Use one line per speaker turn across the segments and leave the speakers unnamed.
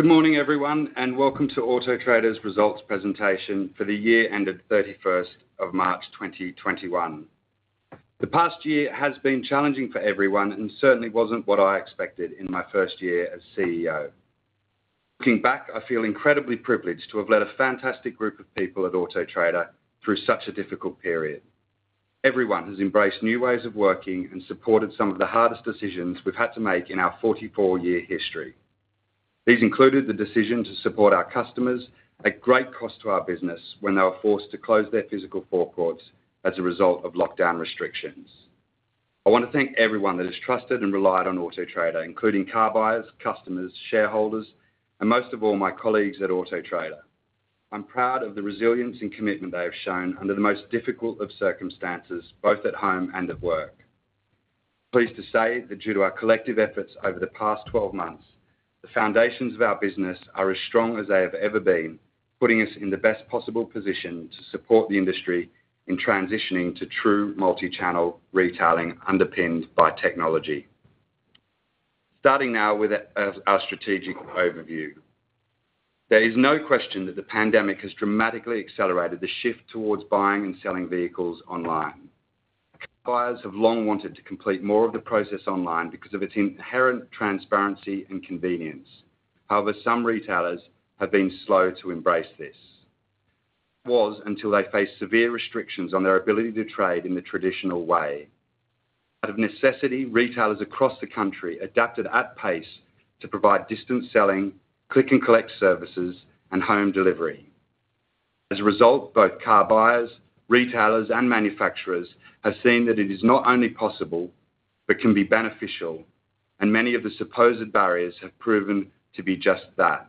Good morning, everyone. Welcome to Auto Trader's results presentation for the year ended 31st of March 2021. The past year has been challenging for everyone and certainly wasn't what I expected in my first year as CEO. Looking back, I feel incredibly privileged to have led a fantastic group of people at Auto Trader through such a difficult period. Everyone has embraced new ways of working and supported some of the hardest decisions we've had to make in our 44-year history. These included the decision to support our customers at great cost to our business when they were forced to close their physical forecourts as a result of lockdown restrictions. I want to thank everyone that has trusted and relied on Auto Trader, including car buyers, customers, shareholders, and most of all, my colleagues at Auto Trader. I'm proud of the resilience and commitment they have shown under the most difficult of circumstances, both at home and at work. Pleased to say that due to our collective efforts over the past 12 months, the foundations of our business are as strong as they have ever been, putting us in the best possible position to support the industry in transitioning to true multi-channel retailing underpinned by technology. Starting now with our strategic overview. There is no question that the pandemic has dramatically accelerated the shift towards buying and selling vehicles online. Buyers have long wanted to complete more of the process online because of its inherent transparency and convenience. Some retailers have been slow to embrace this. That was until they faced severe restrictions on their ability to trade in the traditional way. Out of necessity, retailers across the country adapted at pace to provide distance selling, click and collect services, and home delivery. As a result, both car buyers, retailers, and manufacturers have seen that it is not only possible, but can be beneficial, and many of the supposed barriers have proven to be just that.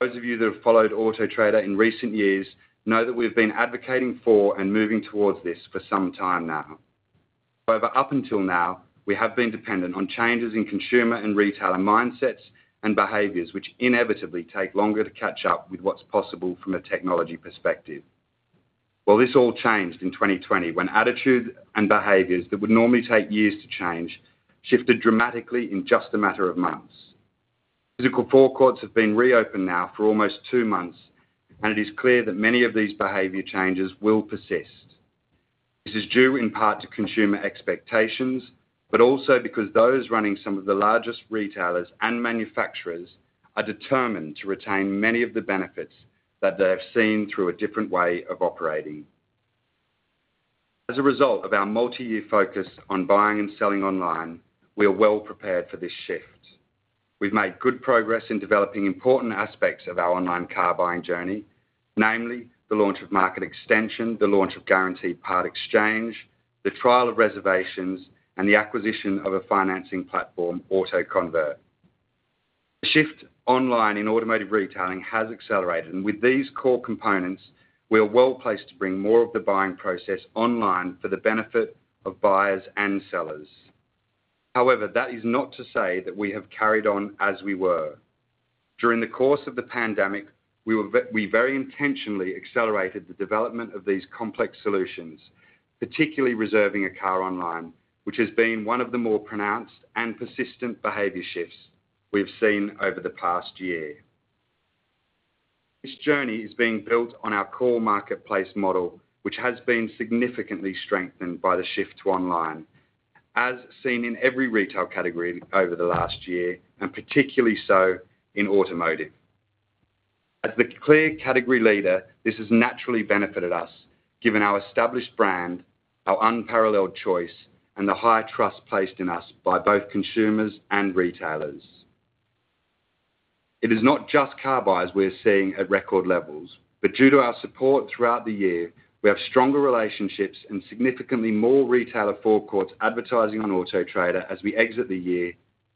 Those of you that have followed Auto Trader in recent years know that we've been advocating for and moving towards this for some time now. Up until now, we have been dependent on changes in consumer and retailer mindsets and behaviors, which inevitably take longer to catch up with what's possible from a technology perspective. This all changed in 2020 when attitudes and behaviors that would normally take years to change shifted dramatically in just a matter of months. Physical forecourts have been reopened now for almost two months. It is clear that many of these behavior changes will persist. This is due in part to consumer expectations. Also because those running some of the largest retailers and manufacturers are determined to retain many of the benefits that they have seen through a different way of operating. As a result of our multi-year focus on buying and selling online, we are well prepared for this shift. We've made good progress in developing important aspects of our online car buying journey, namely the launch of Market Extension, the launch of Guaranteed Part-Exchange, the trial of reservations, and the acquisition of a financing platform, AutoConvert. The shift online in automotive retailing has accelerated. With these core components, we are well-placed to bring more of the buying process online for the benefit of buyers and sellers. That is not to say that we have carried on as we were. During the course of the pandemic, we very intentionally accelerated the development of these complex solutions, particularly reserving a car online, which has been one of the more pronounced and persistent behavior shifts we've seen over the past year. This journey is being built on our core marketplace model, which has been significantly strengthened by the shift to online, as seen in every retail category over the last year, and particularly so in automotive. As the clear category leader, this has naturally benefited us, given our established brand, our unparalleled choice, and the high trust placed in us by both consumers and retailers. It is not just car buyers we are seeing at record levels, but due to our support throughout the year, we have stronger relationships and significantly more retailer forecourts advertising on Auto Trader as we exit the year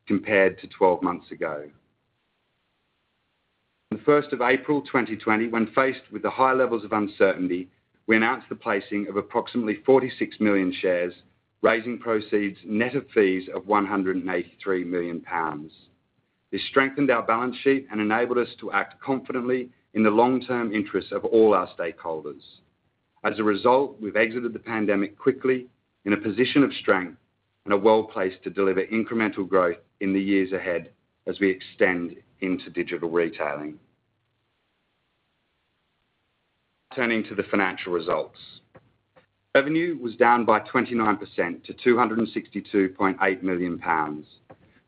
compared to 12 months ago. On the 1st of April 2020, when faced with the high levels of uncertainty, we announced the placing of approximately 46 million shares, raising proceeds net of fees of 183 million pounds. This strengthened our balance sheet and enabled us to act confidently in the long-term interests of all our stakeholders. We've exited the pandemic quickly in a position of strength and are well-placed to deliver incremental growth in the years ahead as we extend into digital retailing. Turning to the financial results. Revenue was down by 29% to 262.8 million pounds,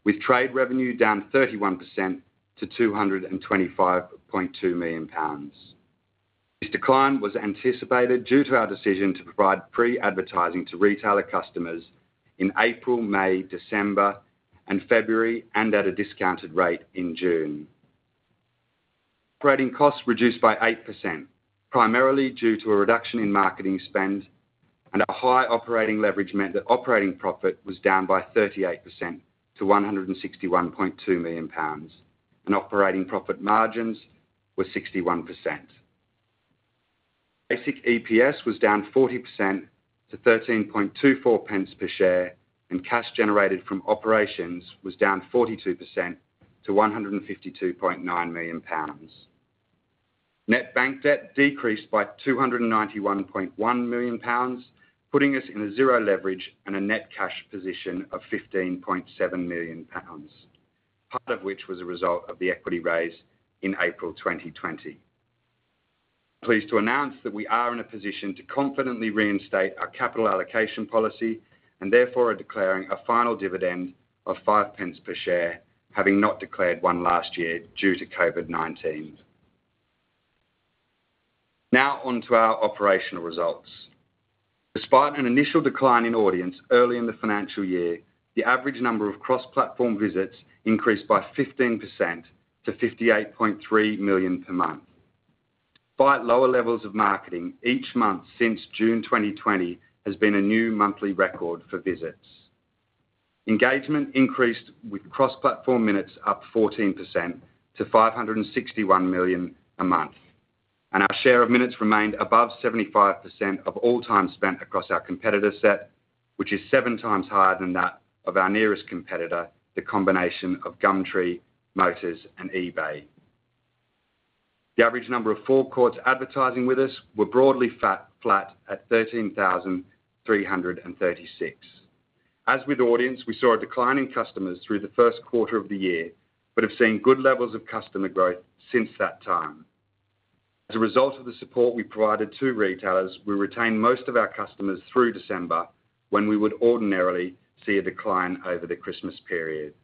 with trade revenue down 31% to 225.2 million pounds. This decline was anticipated due to our decision to provide free advertising to retailer customers in April, May, December, and February, and at a discounted rate in June. Operating costs reduced by 8%, primarily due to a reduction in marketing spend, and our high operating leverage meant that operating profit was down by 38% to 161.2 million pounds, and operating profit margins were 61%. Basic EPS was down 40% to 0.1324 per share, and cash generated from operations was down 42% to 152.9 million pounds. Net bank debt decreased by 291.1 million pounds, putting us in a zero leverage and a net cash position of 15.7 million pounds, part of which was a result of the equity raise in April 2020. Pleased to announce that we are in a position to confidently reinstate our capital allocation policy and therefore are declaring a final dividend of 0.05 per share, having not declared one last year due to COVID-19. Now on to our operational results. Despite an initial decline in audience early in the financial year, the average number of cross-platform visits increased by 15% to 58.3 million per month. Despite lower levels of marketing, each month since June 2020 has been a new monthly record for visits. Engagement increased with cross-platform minutes up 14% to 561 million a month, and our share of minutes remained above 75% of all time spent across our competitor set, which is seven times higher than that of our nearest competitor, the combination of Gumtree, Motors, and eBay. The average number of forecourts advertising with us were broadly flat at 13,336. As with audience, we saw a decline in customers through the first quarter of the year but have seen good levels of customer growth since that time. As a result of the support we provided to retailers, we retained most of our customers through December, when we would ordinarily see a decline over the Christmas period.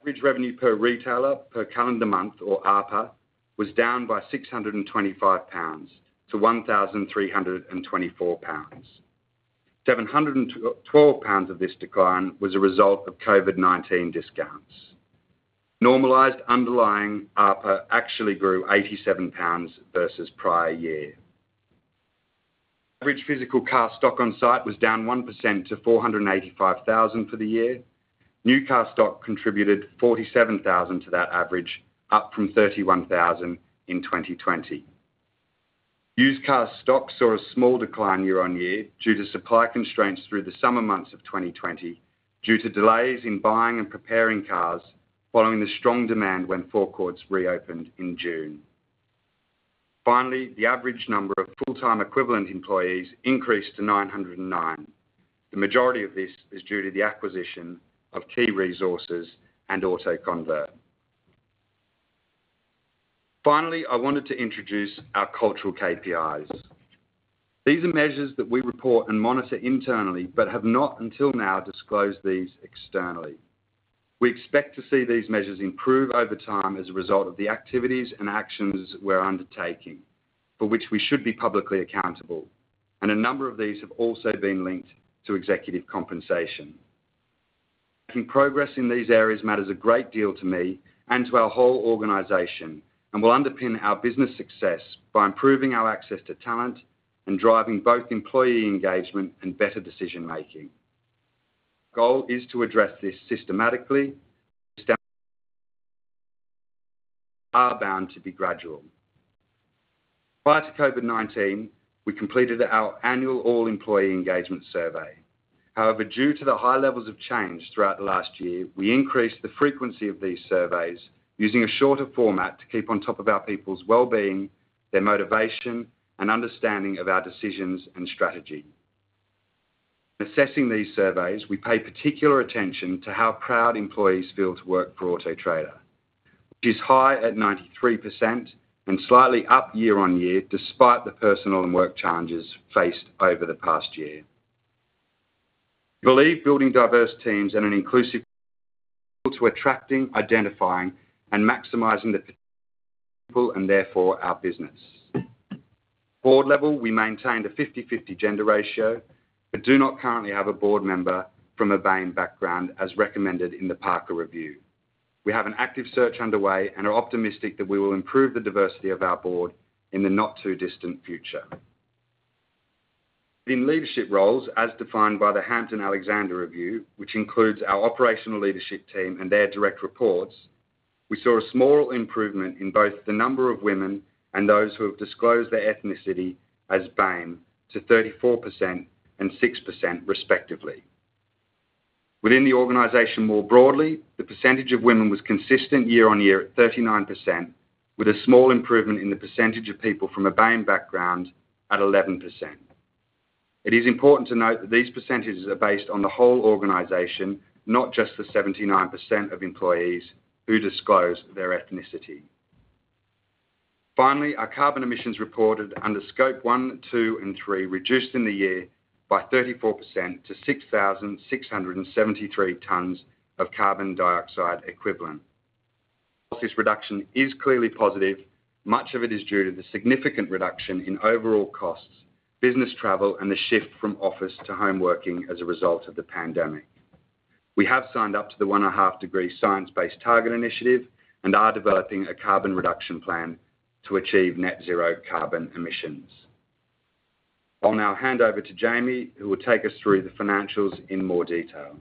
Average revenue per retailer per calendar month, or ARPA, was down by 625-1,324 pounds. 712 pounds of this decline was a result of COVID-19 discounts. Normalized underlying ARPA actually grew 87 pounds versus prior year. Average physical car stock on site was down 1% to 485,000 for the year. New car stock contributed 47,000 to that average, up from 31,000 in 2020. Used car stock saw a small decline year-on-year due to supply constraints through the summer months of 2020, due to delays in buying and preparing cars following the strong demand when forecourts reopened in June. Finally, the average number of full-time equivalent employees increased to 909. The majority of this is due to the acquisition of KeeResources and AutoConvert. Finally, I wanted to introduce our cultural KPIs. These are measures that we report and monitor internally, but have not, until now, disclosed these externally. We expect to see these measures improve over time as a result of the activities and actions we're undertaking, for which we should be publicly accountable. A number of these have also been linked to executive compensation. Making progress in these areas matters a great deal to me and to our whole organization and will underpin our business success by improving our access to talent and driving both employee engagement and better decision-making. Goal is to address this systematically. Are bound to be gradual. Prior to COVID-19, we completed our annual all-employee engagement survey. However, due to the high levels of change throughout the last year, we increased the frequency of these surveys using a shorter format to keep on top of our people's wellbeing, their motivation, and understanding of our decisions and strategy. In assessing these surveys, we paid particular attention to how proud employees feel to work for Auto Trader, which is high at 93% and slightly up year-on-year despite the personal and work challenges faced over the past year. We believe building diverse teams and an inclusive culture is crucial to attracting, identifying, and maximizing the potential of our people and therefore our business. At board level, we maintain a 50/50 gender ratio, but do not currently have a board member from a BAME background as recommended in the Parker Review. We have an active search underway and are optimistic that we will improve the diversity of our board in the not-too-distant future. In leadership roles, as defined by the Hampton-Alexander Review, which includes our operational leadership team and their direct reports, we saw a small improvement in both the number of women and those who have disclosed their ethnicity as BAME to 34% and 6%, respectively. Within the organization more broadly, the percentage of women was consistent year on year at 39%, with a small improvement in the percentage of people from a BAME background at 11%. It is important to note that these percentages are based on the whole organization, not just the 79% of employees who disclose their ethnicity. Our carbon emissions reported under Scope 1, 2, and 3 reduced in the year by 34% to 6,673 tons of carbon dioxide equivalent. While this reduction is clearly positive, much of it is due to the significant reduction in overall costs, business travel, and a shift from office to home working as a result of the pandemic. We have signed up to the 1.5 degree Science Based Targets initiative and are developing a carbon reduction plan to achieve net zero carbon emissions. I'll now hand over to Jamie, who will take us through the financials in more detail.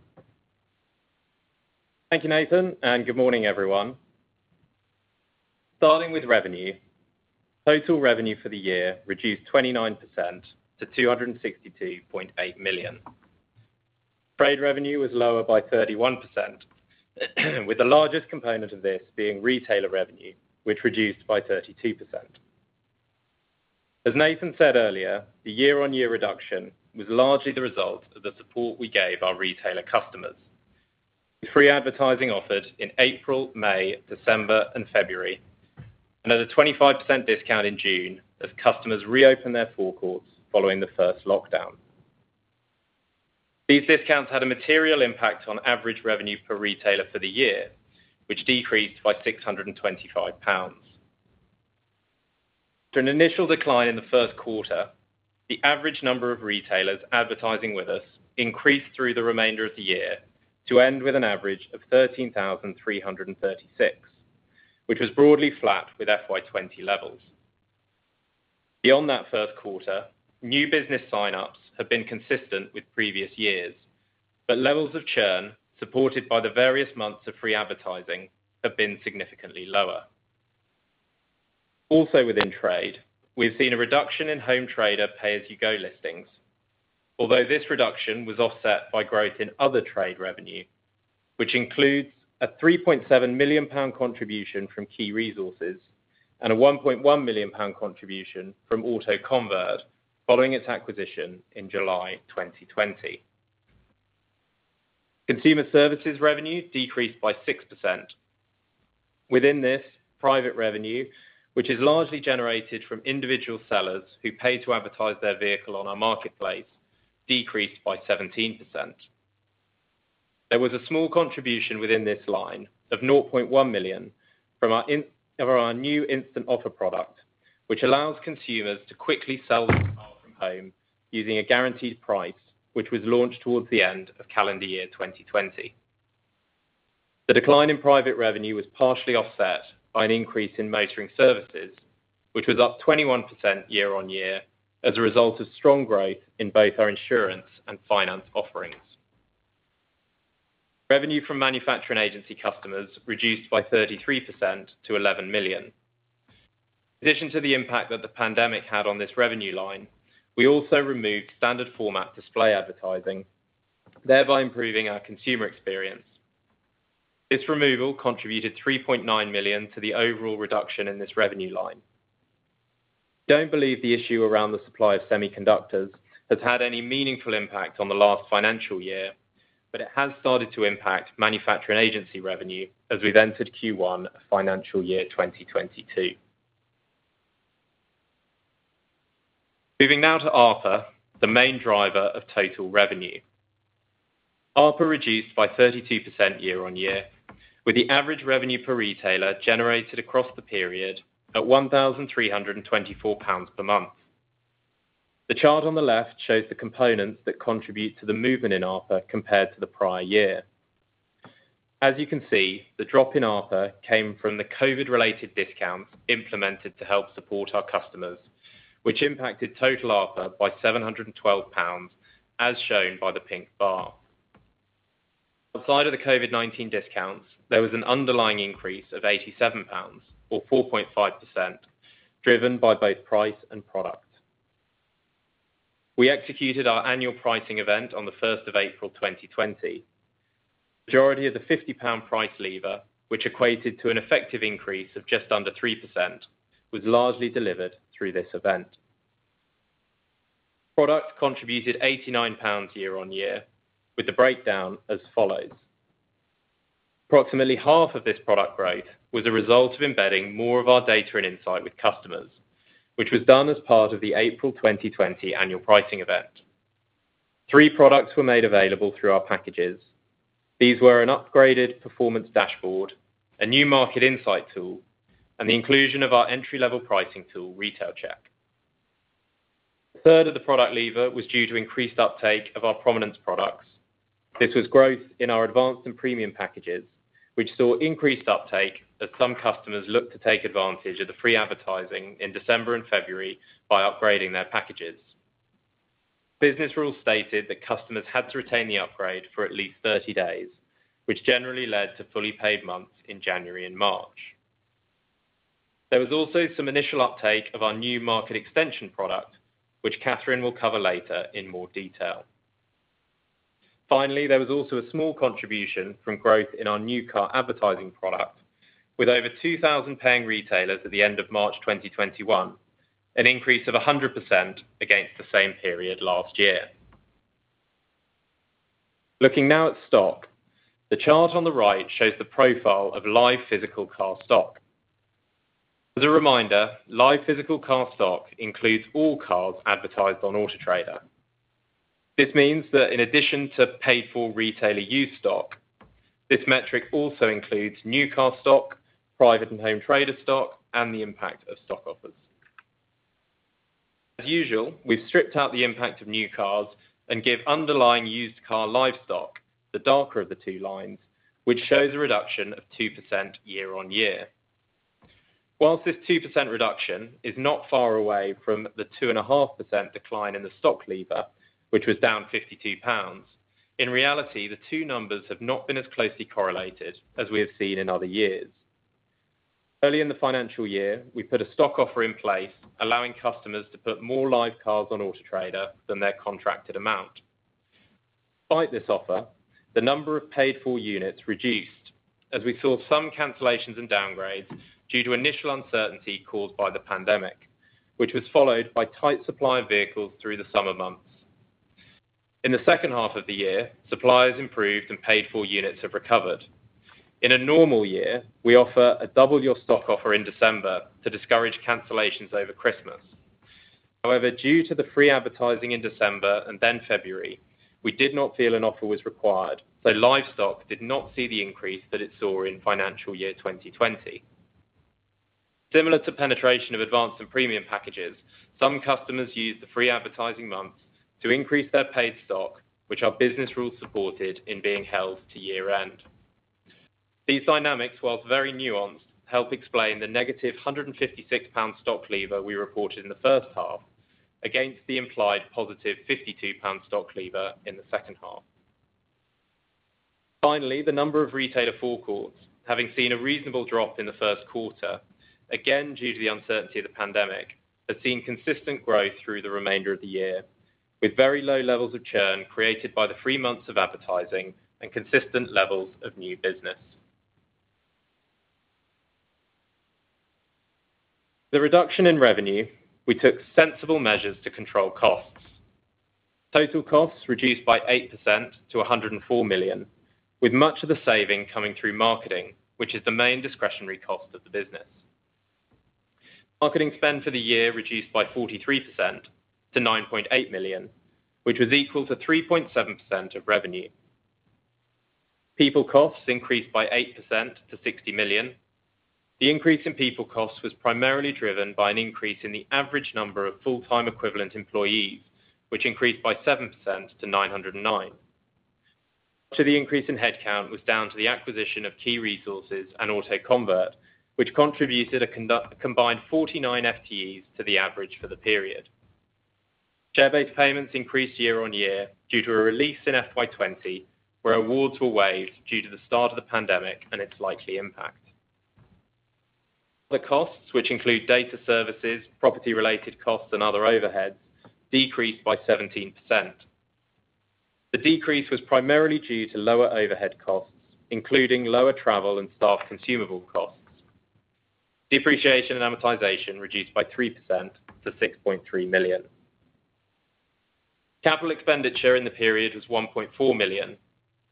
Thank you, Nathan. Good morning, everyone. Starting with revenue, total revenue for the year reduced 29% to 262.8 million. Trade revenue was lower by 31%, with the largest component of this being retailer revenue, which reduced by 32%. As Nathan said earlier, the year-on-year reduction was largely the result of the support we gave our retailer customers. Free advertising offered in April, May, December, and February, and at a 25% discount in June, as customers reopened their forecourts following the first lockdown. These discounts had a material impact on average revenue per retailer for the year, which decreased by 625 pounds. An initial decline in the first quarter, the average number of retailers advertising with us increased through the remainder of the year to end with an average of 13,336, which was broadly flat with FY 2020 levels. Beyond that first quarter, new business sign-ups have been consistent with previous years, but levels of churn, supported by the various months of free advertising, have been significantly lower. Within trade, we've seen a reduction in home trader pay-as-you-go listings. This reduction was offset by growth in other trade revenue, which includes a 3.7 million pound contribution from KeeResources and a 1.1 million pound contribution from AutoConvert following its acquisition in July 2020. Consumer services revenue decreased by 6%. Within this private revenue, which is largely generated from individual sellers who pay to advertise their vehicle on our marketplace, decreased by 17%. There was a small contribution within this line of 0.1 million from our new Instant Offer product, which allows consumers to quickly sell their car from home using a guaranteed price, which was launched towards the end of calendar year 2020. The decline in private revenue was partially offset by an increase in motoring services, which was up 21% year-on-year as a result of strong growth in both our insurance and finance offerings. Revenue from manufacturing agency customers reduced by 33% to 11 million. In addition to the impact that the pandemic had on this revenue line, we also removed standard format display advertising, thereby improving our consumer experience. This removal contributed 3.9 million to the overall reduction in this revenue line. I don't believe the issue around the supply of semiconductors has had any meaningful impact on the last financial year, it has started to impact manufacturer and agency revenue as we've entered Q1 Financial Year 2022. Moving now to ARPA, the main driver of total revenue. ARPA reduced by 32% year-on-year, with the average revenue per retailer generated across the period at 1,324 pounds per month. The chart on the left shows the components that contribute to the movement in ARPA compared to the prior year. As you can see, the drop in ARPA came from the COVID related discounts implemented to help support our customers, which impacted total ARPA by 712 pounds, as shown by the pink bar. Outside of the COVID-19 discounts, there was an underlying increase of 87 pounds, or 4.5%, driven by both price and product. We executed our annual pricing event on the 1st of April 2020. Majority of the GBP 50 price lever, which equated to an effective increase of just under 3%, was largely delivered through this event. Product contributed 89 pounds year-on-year, with the breakdown as follows. Approximately half of this product growth was a result of embedding more of our data and insight with customers, which was done as part of the April 2020 annual pricing event. Three products were made available through our packages. These were an upgraded performance dashboard, a new market insight tool, and the inclusion of our entry-level pricing tool, Retail Check. A third of the product lever was due to increased uptake of our prominence products. This was growth in our Advanced and Premium packages, which saw increased uptake as some customers looked to take advantage of the free advertising in December and February by upgrading their packages. Business rules stated that customers had to retain the upgrade for at least 30 days, which generally led to fully paid months in January and March. There was also some initial uptake of our new Market Extension product, which Catherine will cover later in more detail. There was also a small contribution from growth in our new car advertising product, with over 2,000 paying retailers at the end of March 2021, an increase of 100% against the same period last year. Looking now at stock, the chart on the right shows the profile of live physical car stock. As a reminder, live physical car stock includes all cars advertised on Auto Trader. This means that in addition to paid for retailer used stock, this metric also includes new car stock, private and home trader stock, and the impact of stock offers. As usual, we've stripped out the impact of new cars and give underlying used car live stock the darker of the two lines, which shows a reduction of 2% year-on-year. Whilst this 2% reduction is not far away from the 2.5% decline in the stock lever, which was down 52 pounds, in reality, the two numbers have not been as closely correlated as we have seen in other years. Early in the financial year, we put a stock offer in place allowing customers to put more live cars on Auto Trader than their contracted amount. Despite this offer, the number of paid-for units reduced as we saw some cancellations and downgrades due to initial uncertainty caused by the pandemic, which was followed by tight supply of vehicles through the summer months. In the second half of the year, suppliers improved and paid-for units have recovered. In a normal year, we offer a double your stock offer in December to discourage cancellations over Christmas. Due to the free advertising in December and then February, we did not feel an offer was required. Live stock did not see the increase that it saw in financial year 2020. Similar to penetration of Advanced and Premium packages, some customers used the free advertising months to increase their paid stock, which our business rules supported in being held to year-end. These dynamics, whilst very nuanced, help explain the -156 pounds stock lever we reported in the first half against the implied +52 pounds stock lever in the second half. The number of retailer forecourts, having seen a reasonable drop in the first quarter, again, due to the uncertainty of the pandemic, has seen consistent growth through the remainder of the year, with very low levels of churn created by the three months of advertising and consistent levels of new business. The reduction in revenue, we took sensible measures to control costs. Total costs reduced by 8% to 104 million, with much of the saving coming through marketing, which is the main discretionary cost of the business. Marketing spend for the year reduced by 43% to 9.8 million, which was equal to 3.7% of revenue. People costs increased by 8% to 60 million. The increase in people cost was primarily driven by an increase in the average number of full-time equivalent employees, which increased by 7% to 909. The increase in headcount was down to the acquisition of KeeResources and AutoConvert, which contributed a combined 49 FTEs to the average for the period. Share-based payments increased year-on-year due to a release in FY 2020, where awards were waived due to the start of the pandemic and its likely impact. The costs, which include data services, property-related costs, and other overheads, decreased by 17%. The decrease was primarily due to lower overhead costs, including lower travel and staff consumable costs. Depreciation and amortization reduced by 3% to 6.3 million. Capital expenditure in the period was 1.4 million,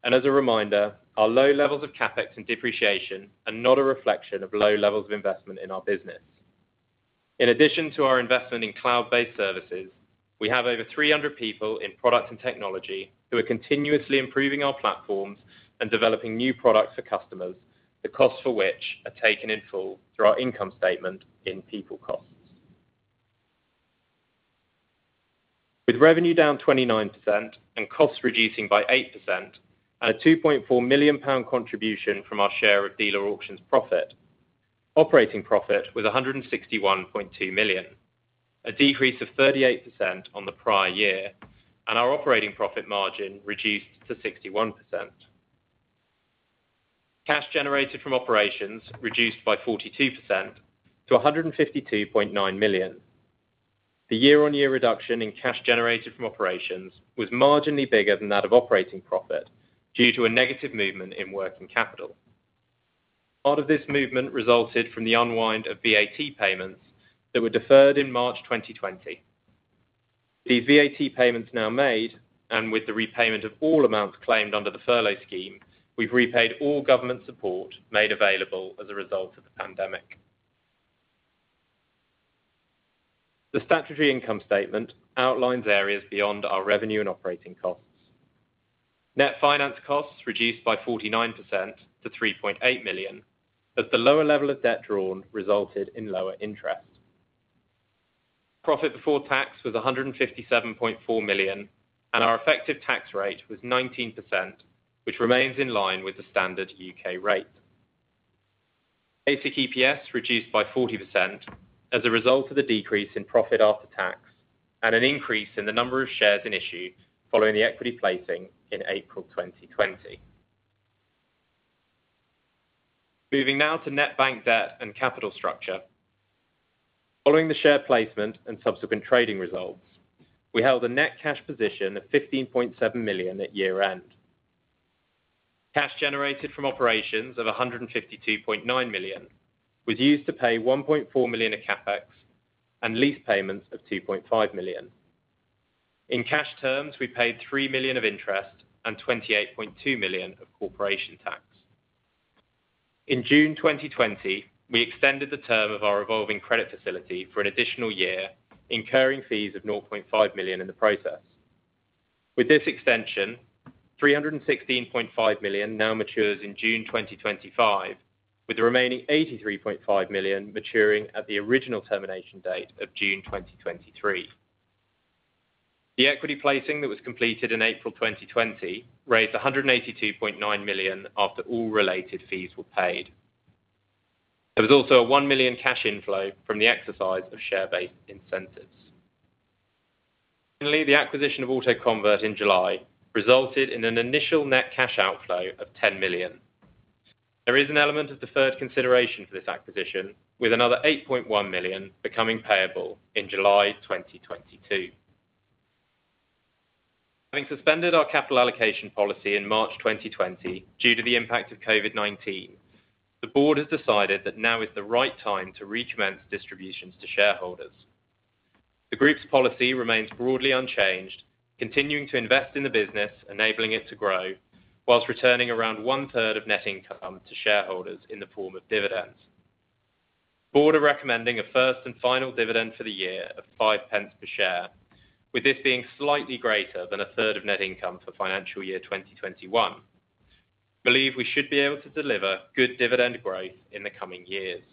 and as a reminder, our low levels of CapEx and depreciation are not a reflection of low levels of investment in our business. In addition to our investment in cloud-based services, we have over 300 people in product and technology who are continuously improving our platforms and developing new products for customers, the cost for which are taken in full through our income statement in people costs. With revenue down 29% and costs reducing by 8%, and a 2.4 million pound contribution from our share of Dealer Auction profit, operating profit was 161.2 million, a decrease of 38% on the prior year, and our operating profit margin reduced to 61%. Cash generated from operations reduced by 42% to 152.9 million. The year-on-year reduction in cash generated from operations was marginally bigger than that of operating profit due to a negative movement in working capital. Part of this movement resulted from the unwind of VAT payments that were deferred in March 2020. With the repayment of all amounts claimed under the furlough scheme, we've repaid all government support made available as a result of the pandemic. The statutory income statement outlines areas beyond our revenue and operating costs. Net finance costs reduced by 49% to 3.8 million, as the lower level of debt drawn resulted in lower interest. Profit before tax was 157.4 million, and our effective tax rate was 19%, which remains in line with the standard U.K. rate. Basic EPS reduced by 40% as a result of the decrease in profit after tax and an increase in the number of shares in issue following the equity placing in April 2020. Moving now to net bank debt and capital structure. Following the share placement and subsequent trading results, we held a net cash position of 15.7 million at year-end. Cash generated from operations of 152.9 million was used to pay 1.4 million of CapEx and lease payments of 2.5 million. In cash terms, we paid 3 million of interest and 28.2 million of corporation tax. In June 2020, we extended the term of our revolving credit facility for an additional year, incurring fees of 0.5 million in the process. With this extension, 316.5 million now matures in June 2025, with the remaining 83.5 million maturing at the original termination date of June 2023. The equity placing that was completed in April 2020 raised 182.9 million after all related fees were paid. There was also a 1 million cash inflow from the exercise of share-based incentives. The acquisition of AutoConvert in July resulted in an initial net cash outflow of 10 million. There is an element of deferred consideration for this acquisition, with another 8.1 million becoming payable in July 2022. Having suspended our capital allocation policy in March 2020 due to the impact of COVID-19, the board has decided that now is the right time to recommence distributions to shareholders. The group's policy remains broadly unchanged, continuing to invest in the business, enabling it to grow whilst returning around one-third of net income to shareholders in the form of dividends. The board are recommending a first and final dividend for the year of 0.05 per share, with this being slightly greater than a third of net income for financial year 2021. I believe we should be able to deliver good dividend growth in the coming years.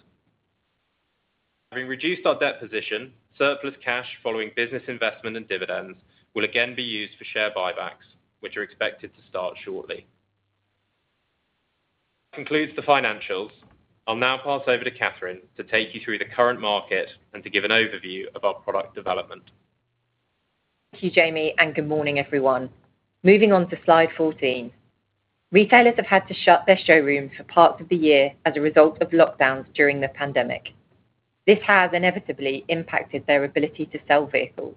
Having reduced our debt position, surplus cash following business investment and dividends will again be used for share buybacks, which are expected to start shortly. That concludes the financials. I'll now pass over to Catherine to take you through the current market and to give an overview of our product development.
Thank you, Jamie. Good morning, everyone. Moving on to slide 14. Retailers have had to shut their showrooms for parts of the year as a result of lockdowns during the pandemic. This has inevitably impacted their ability to sell vehicles.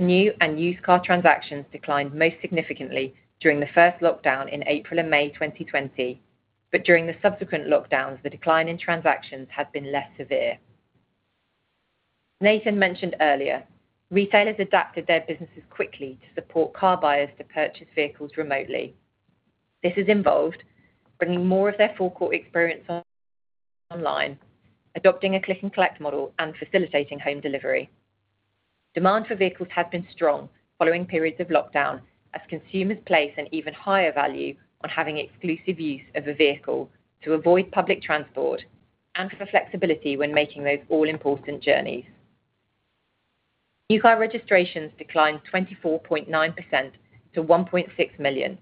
New and used car transactions declined most significantly during the first lockdown in April and May 2020. During the subsequent lockdowns, the decline in transactions have been less severe. Nathan mentioned earlier, retailers adapted their businesses quickly to support car buyers to purchase vehicles remotely. This has involved bringing more of their forecourt experience online, adopting a click and collect model, and facilitating home delivery. Demand for vehicles has been strong following periods of lockdown, as consumers place an even higher value on having exclusive use of a vehicle to avoid public transport and for flexibility when making those all-important journeys. New car registrations declined 24.9% to 1.6 million,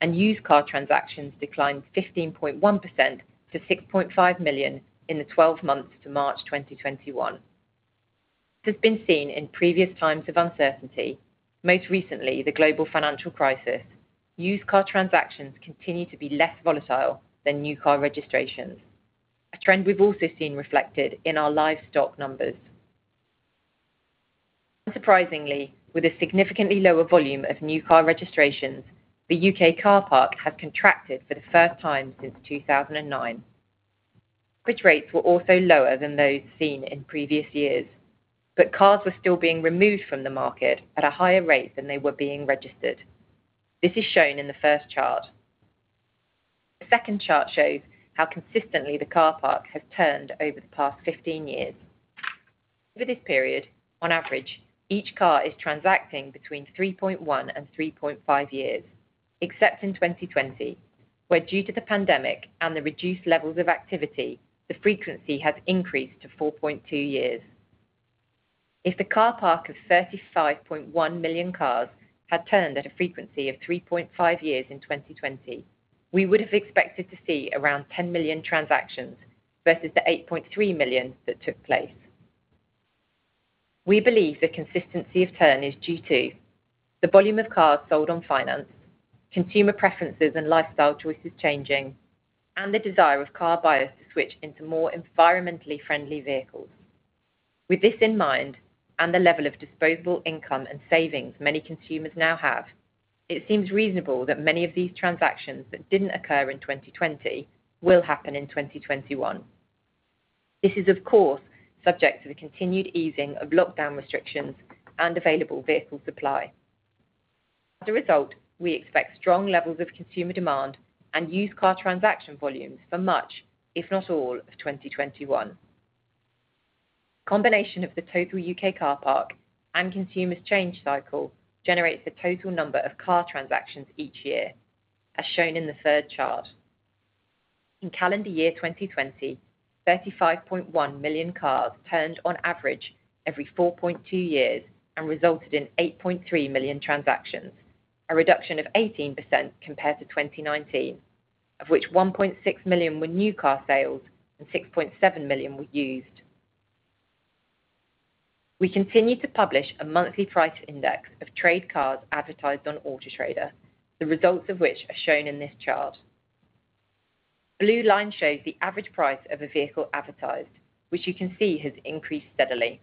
and used car transactions declined 15.1% to 6.5 million in the 12 months to March 2021. As has been seen in previous times of uncertainty, most recently, the global financial crisis, used car transactions continue to be less volatile than new car registrations. A trend we've also seen reflected in our live stock numbers. Unsurprisingly, with a significantly lower volume of new car registrations, the U.K. car park has contracted for the first time since 2009. Scrappage rates were also lower than those seen in previous years, but cars are still being removed from the market at a higher rate than they were being registered. This is shown in the first chart. The second chart shows how consistently the car park has turned over the past 15 years. Over this period, on average, each car is transacting between 3.1 and 3.5 years, except in 2020, where, due to the pandemic and the reduced levels of activity, the frequency has increased to 4.2 years. If the car park of 35.1 million cars had turned at a frequency of 3.5 years in 2020, we would have expected to see around 10 million transactions versus the 8.3 million that took place. We believe the consistency of turn is due to the volume of cars sold on finance, consumer preferences and lifestyle choices changing, and the desire of car buyers to switch into more environmentally friendly vehicles. With this in mind, and the level of disposable income and savings many consumers now have, it seems reasonable that many of these transactions that didn't occur in 2020 will happen in 2021. This is, of course, subject to the continued easing of lockdown restrictions and available vehicle supply. We expect strong levels of consumer demand and used car transaction volumes for much, if not all, of 2021. A combination of the total U.K. car park and consumer change cycle generates the total number of car transactions each year, as shown in the third chart. In calendar year 2020, 35.1 million cars turned on average every 4.2 years and resulted in 8.3 million transactions, a reduction of 18% compared to 2019, of which 1.6 million were new car sales and 6.7 million were used. We continue to publish a monthly price index of trade cars advertised on Auto Trader, the results of which are shown in this chart. The blue line shows the average price of a vehicle advertised, which you can see has increased steadily.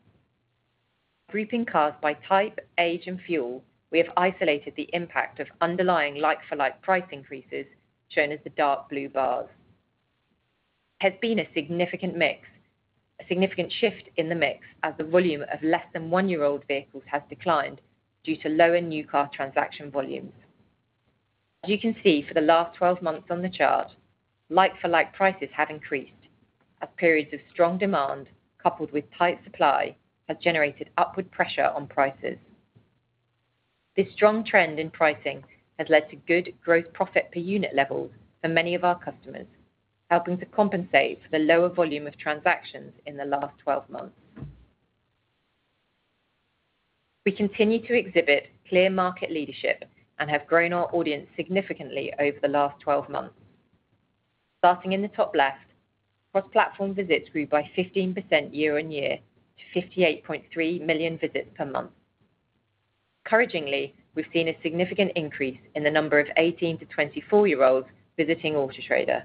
Grouping cars by type, age, and fuel, we have isolated the impact of underlying like-for-like price increases, shown as the dark blue bars. There has been a significant shift in the mix as the volume of less than one-year-old vehicles has declined due to lower new car transaction volumes. As you can see for the last 12 months on the chart, like-for-like prices have increased. Periods of strong demand, coupled with tight supply, have generated upward pressure on prices. This strong trend in pricing has led to good gross profit per unit levels for many of our customers, helping to compensate for the lower volume of transactions in the last 12 months. We continue to exhibit clear market leadership and have grown our audience significantly over the last 12 months. Starting in the top left, our platform visits grew by 15% year-over-year to 68.3 million visits per month. Encouragingly, we've seen a significant increase in the number of 18-24-year-olds visiting Auto Trader,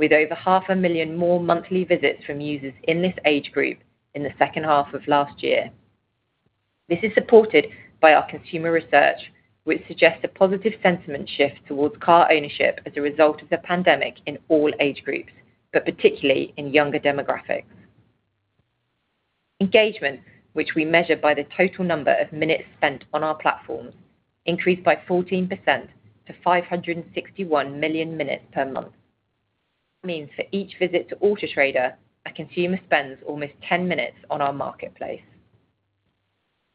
with over 500,000 more monthly visits from users in this age group in the second half of last year. This is supported by our consumer research, which suggests a positive sentiment shift towards car ownership as a result of the pandemic in all age groups, but particularly in younger demographics. Engagement, which we measure by the total number of minutes spent on our platform, increased by 14% to 561 million minutes per month. This means for each visit to Auto Trader, a consumer spends almost 10 minutes on our marketplace.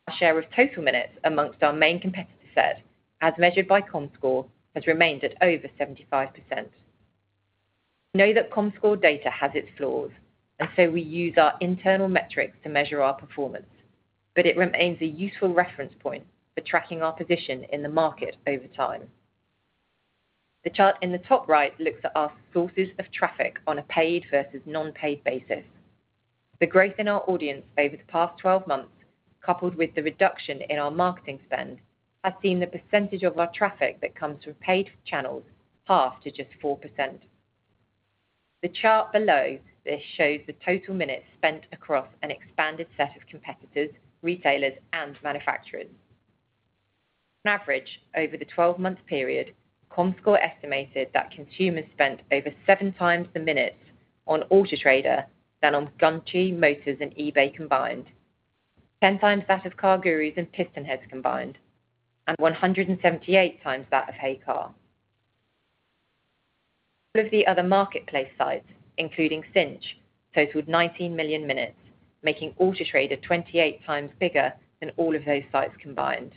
Our share of total minutes amongst our main competitor set, as measured by Comscore, has remained at over 75%. We know that Comscore data has its flaws. We use our internal metrics to measure our performance. It remains a useful reference point for tracking our position in the market over time. The chart in the top right looks at our sources of traffic on a paid versus non-paid basis. The growth in our audience over the past 12 months, coupled with the reduction in our marketing spend, has seen the percentage of our traffic that comes from paid channels halve to just 4%. The chart below this shows the total minutes spent across an expanded set of competitors, retailers, and manufacturers. On average, over the 12-month period, Comscore estimated that consumers spent over 7x the minutes on Auto Trader than on Gumtree, Motors, and eBay combined, 10x that of CarGurus and PistonHeads combined, and 178x that of heycar. All of the other marketplace sites, including Cinch, totaled 19 million minutes, making Auto Trader 28x bigger than all of those sites combined.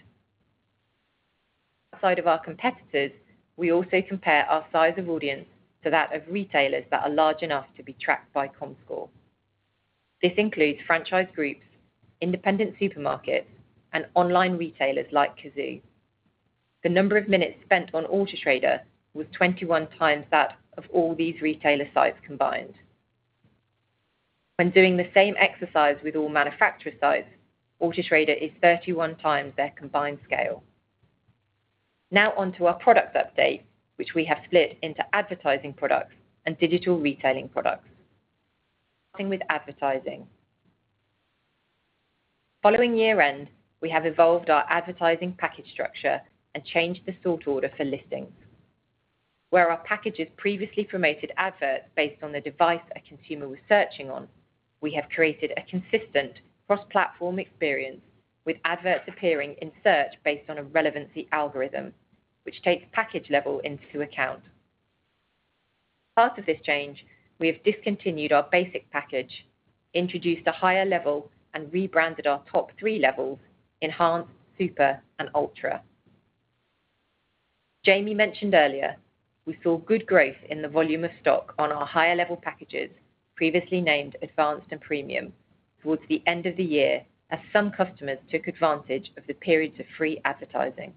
Outside of our competitors, we also compare our size of audience to that of retailers that are large enough to be tracked by Comscore. This includes franchise groups, independent supermarkets, and online retailers like Cazoo. The number of minutes spent on Auto Trader was 21x that of all these retailer sites combined. When doing the same exercise with all manufacturer sites, Auto Trader is 31x their combined scale. Now onto our product updates, which we have split into advertising products and digital retailing products. Starting with advertising. Following year-end, we have evolved our advertising package structure and changed the sort order for listings. Where our packages previously promoted adverts based on the device a consumer was searching on, we have created a consistent cross-platform experience with adverts appearing in search based on a relevancy algorithm which takes package level into account. As part of this change, we have discontinued our basic package, introduced a higher level, and rebranded our top three levels Enhanced, Super, and Ultra. Jamie mentioned earlier we saw good growth in the volume of stock on our higher-level packages, previously named Advanced and Premium, towards the end of the year as some customers took advantage of the periods of free advertising.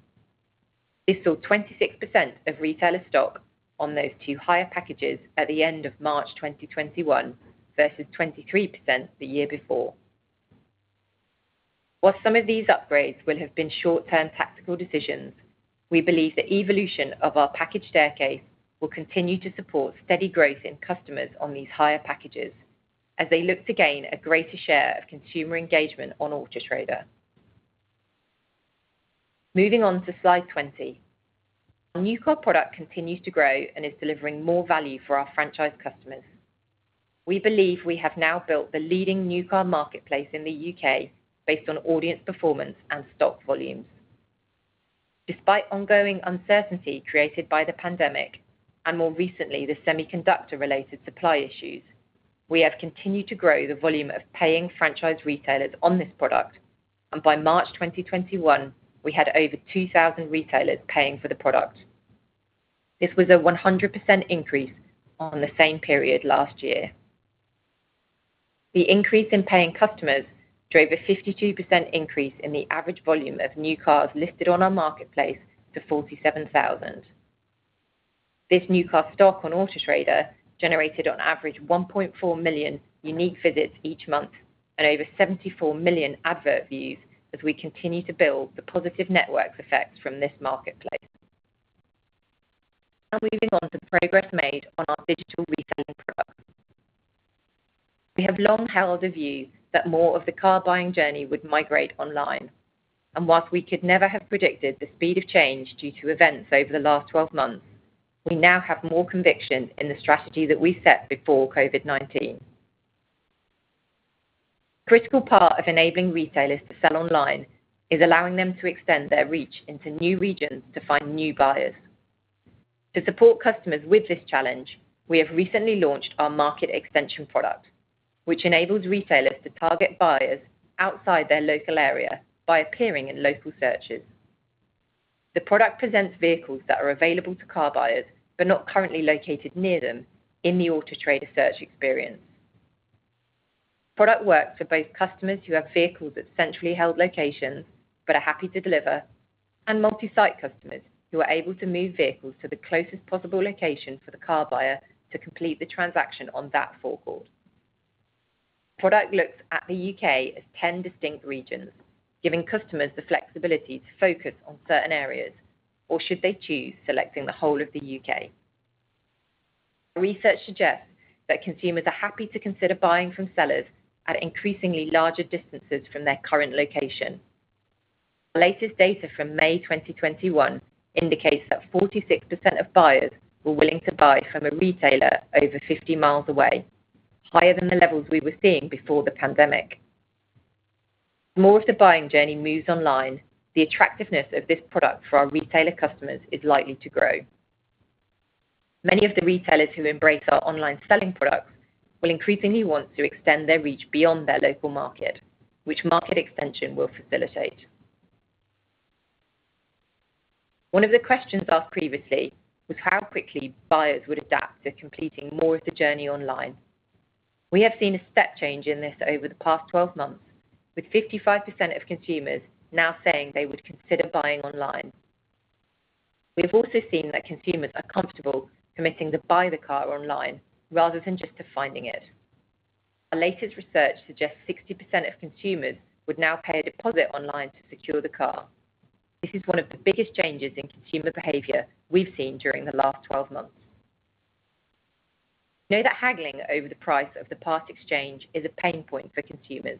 We saw 26% of retailer stock on those two higher packages at the end of March 2021 versus 23% the year before. While some of these upgrades will have been short-term tactical decisions, we believe the evolution of our package staircase will continue to support steady growth in customers on these higher packages as they look to gain a greater share of consumer engagement on Auto Trader. Moving on to slide 20. Our new car product continues to grow and is delivering more value for our franchise customers. We believe we have now built the leading new car marketplace in the U.K. based on audience performance and stock volumes. Despite ongoing uncertainty created by the pandemic and more recently the semiconductor-related supply issues, we have continued to grow the volume of paying franchise retailers on this product, and by March 2021, we had over 2,000 retailers paying for the product. This was a 100% increase on the same period last year. The increase in paying customers drove a 52% increase in the average volume of new cars listed on our marketplace to 47,000. This new car stock on Auto Trader generated on average 1.4 million unique visits each month and over 74 million advert views as we continue to build the positive network effects from this marketplace. Moving on to progress made on our digital retailing products. We have long held a view that more of the car-buying journey would migrate online, and while we could never have predicted the speed of change due to events over the last 12 months, we now have more conviction in the strategy that we set before COVID-19. A critical part of enabling retailers to sell online is allowing them to extend their reach into new regions to find new buyers. To support customers with this challenge, we have recently launched our Market Extension product, which enables retailers to target buyers outside their local area by appearing in local searches. The product presents vehicles that are available to car buyers but not currently located near them in the Auto Trader search experience. Product works for both customers who have vehicles at centrally held locations but are happy to deliver, and multi-site customers who are able to move vehicles to the closest possible location for the car buyer to complete the transaction on that forecourt. Product looks at the U.K. as 10 distinct regions, giving customers the flexibility to focus on certain areas or, should they choose, selecting the whole of the U.K. Research suggests that consumers are happy to consider buying from sellers at increasingly larger distances from their current location. Latest data from May 2021 indicates that 46% of buyers were willing to buy from a retailer over 50 mi away, higher than the levels we were seeing before the pandemic. More of the buying journey moves online, the attractiveness of this product for our retailer customers is likely to grow. Many of the retailers who embrace our online selling products will increasingly want to extend their reach beyond their local market, which Market Extension will facilitate. One of the questions asked previously was how quickly buyers would adapt to completing more of the journey online. We have seen a step change in this over the past 12 months, with 55% of consumers now saying they would consider buying online. We have also seen that consumers are comfortable committing to buy the car online rather than just to finding it. Our latest research suggests 60% of consumers would now pay a deposit online to secure the car. This is one of the biggest changes in consumer behavior we've seen during the last 12 months. Know that haggling over the price of the part-exchange is a pain point for consumers,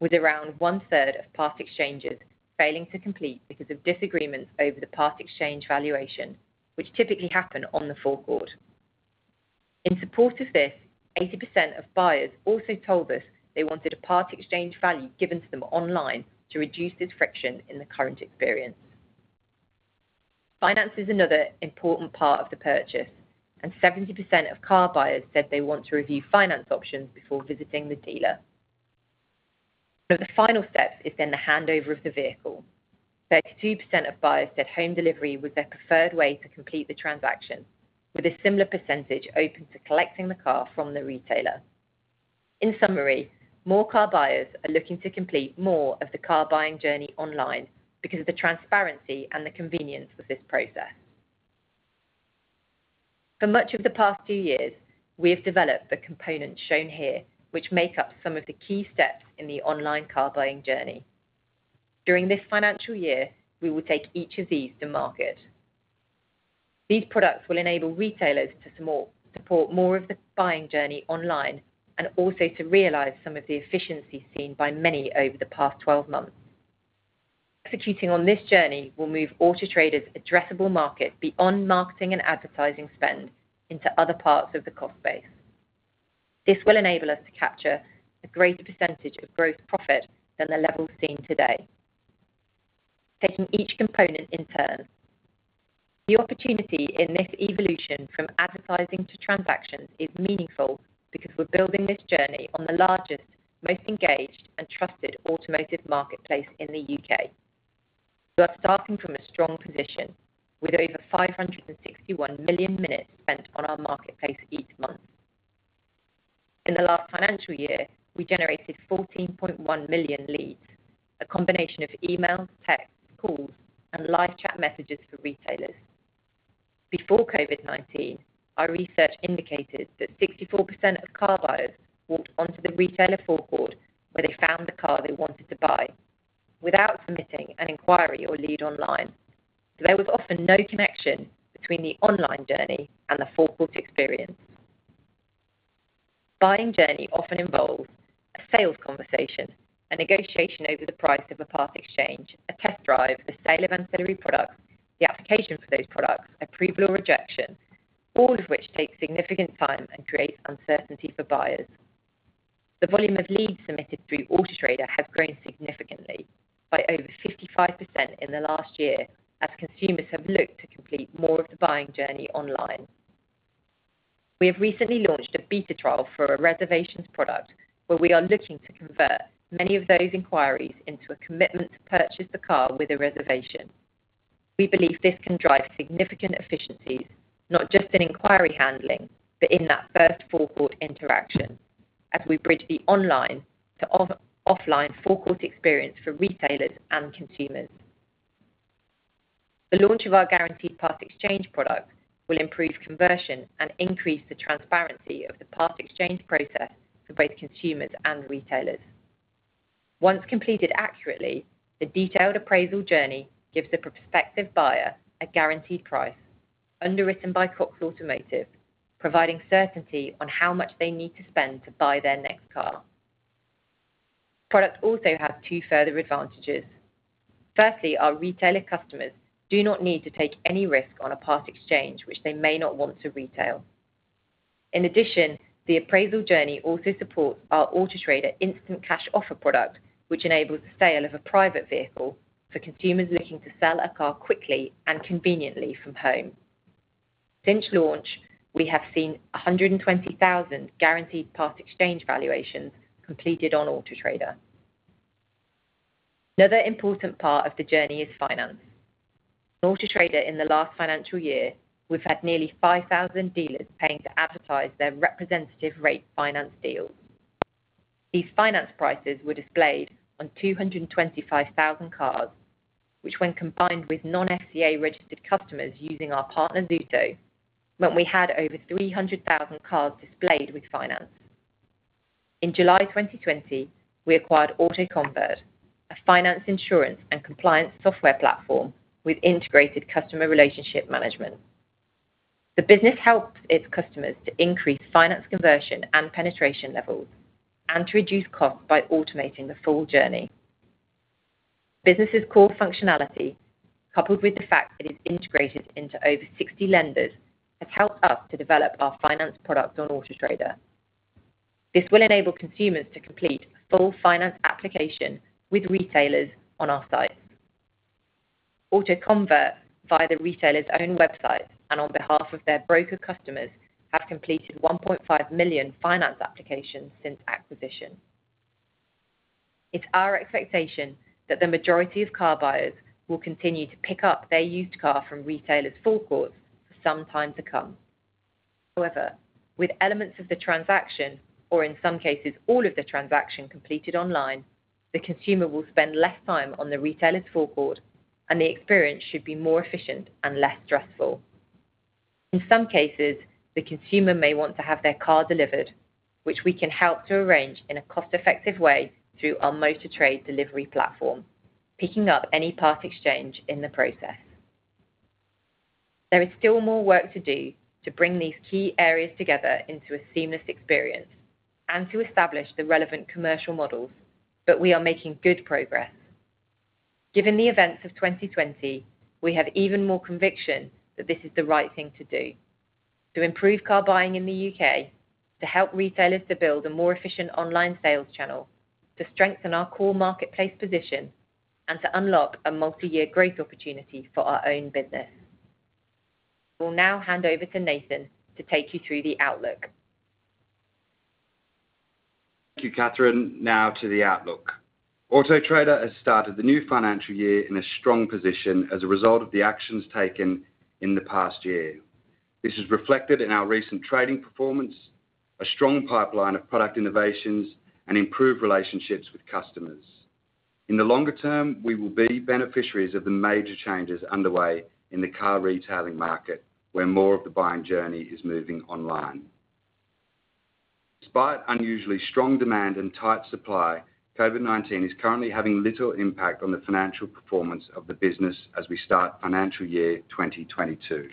with around one-third of part-exchanges failing to complete because of disagreements over the part-exchange valuation, which typically happen on the forecourt. In support of this, 80% of buyers also told us they wanted a part-exchange value given to them online to reduce this friction in the current experience. Finance is another important part of the purchase, 70% of car buyers said they want to review finance options before visiting the dealer. The final step is then the handover of the vehicle. 32% of buyers said home delivery was their preferred way to complete the transaction, with a similar percentage open to collecting the car from the retailer. In summary, more car buyers are looking to complete more of the car buying journey online because of the transparency and the convenience of this process. For much of the past two years, we have developed the components shown here, which make up some of the key steps in the online car buying journey. During this financial year, we will take each of these to market. These products will enable retailers to support more of the buying journey online and also to realize some of the efficiencies seen by many over the past 12 months. Executing on this journey will move Auto Trader's addressable market beyond marketing and advertising spend into other parts of the cost base. This will enable us to capture a greater percentage of gross profit than the levels seen today. Taking each component in turn, the opportunity in this evolution from advertising to transactions is meaningful because we're building this journey on the largest, most engaged, and trusted automotive marketplace in the U.K. We are starting from a strong position with over 561 million minutes spent on our marketplace each month. In the last financial year, we generated 14.1 million leads, a combination of emails, texts, calls, and live chat messages for retailers. Before COVID-19, our research indicated that 64% of car buyers walked onto the retailer forecourt where they found the car they wanted to buy without submitting an inquiry or lead online. There was often no connection between the online journey and the forecourt experience. Buying journey often involves a sales conversation, a negotiation over the price of a part-exchange, a test drive, the sale of ancillary products, the application for those products, approval or rejection, all of which takes significant time and creates uncertainty for buyers. The volume of leads submitted through Auto Trader have grown significantly, by over 55% in the last year, as consumers have looked to complete more of the buying journey online. We have recently launched a beta trial for a reservations product where we are looking to convert many of those inquiries into a commitment to purchase the car with a reservation. We believe this can drive significant efficiencies, not just in inquiry handling, but in that first forecourt interaction as we bridge the online to offline forecourt experience for retailers and consumers. The launch of our Guaranteed Part-Exchange product will improve conversion and increase the transparency of the part exchange process for both consumers and retailers. Once completed accurately, the detailed appraisal journey gives the prospective buyer a guaranteed price underwritten by Cox Automotive, providing certainty on how much they need to spend to buy their next car. Product also has two further advantages. Our retailer customers do not need to take any risk on a part exchange which they may not want to retail. The appraisal journey also supports our Auto Trader Instant Cash Offer product, which enables the sale of a private vehicle for consumers looking to sell a car quickly and conveniently from home. Since launch, we have seen 120,000 Guaranteed Part-Exchange valuations completed on Auto Trader. Another important part of the journey is finance. At Auto Trader in the last financial year, we've had nearly 5,000 dealers paying to advertise their representative rate finance deals. These finance prices were displayed on 225,000 cars, which when combined with non-FCA registered customers using our partner, Zuto, meant we had over 300,000 cars displayed with finance. In July 2020, we acquired AutoConvert, a finance insurance and compliance software platform with integrated customer relationship management. The business helps its customers to increase finance conversion and penetration levels, and to reduce costs by automating the full journey. Business' core functionality, coupled with the fact that it's integrated into over 60 lenders, has helped us to develop our finance product on Auto Trader. This will enable consumers to complete a full finance application with retailers on our site. AutoConvert, via the retailer's own website and on behalf of their broker customers, have completed 1.5 million finance applications since acquisition. It's our expectation that the majority of car buyers will continue to pick up their used car from retailers' forecourts for some time to come. With elements of the transaction, or in some cases, all of the transaction completed online, the consumer will spend less time on the retailer's forecourt, and the experience should be more efficient and less stressful. In some cases, the consumer may want to have their car delivered, which we can help to arrange in a cost-effective way through our Motor Trade Delivery platform, picking up any part exchange in the process. There is still more work to do to bring these key areas together into a seamless experience, and to establish the relevant commercial models, we are making good progress. Given the events of 2020, we have even more conviction that this is the right thing to do to improve car buying in the U.K., to help retailers to build a more efficient online sales channel, to strengthen our core marketplace position, and to unlock a multiyear growth opportunity for our own business. I will now hand over to Nathan to take you through the outlook.
Thank you, Catherine. Now to the outlook. Auto Trader has started the new financial year in a strong position as a result of the actions taken in the past year. This is reflected in our recent trading performance, a strong pipeline of product innovations, and improved relationships with customers. In the longer-term, we will be beneficiaries of the major changes underway in the car retailing market, where more of the buying journey is moving online. Despite unusually strong demand and tight supply, COVID-19 is currently having little impact on the financial performance of the business as we start financial year 2022.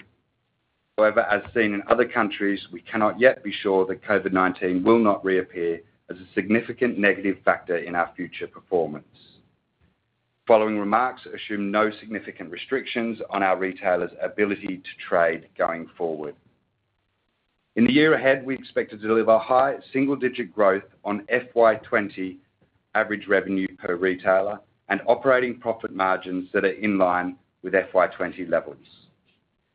However, as seen in other countries, we cannot yet be sure that COVID-19 will not reappear as a significant negative factor in our future performance. The following remarks assume no significant restrictions on our retailers' ability to trade going forward. In the year ahead, we expect to deliver high single-digit growth on FY 2020 average revenue per retailer and operating profit margins that are in line with FY 2020 levels.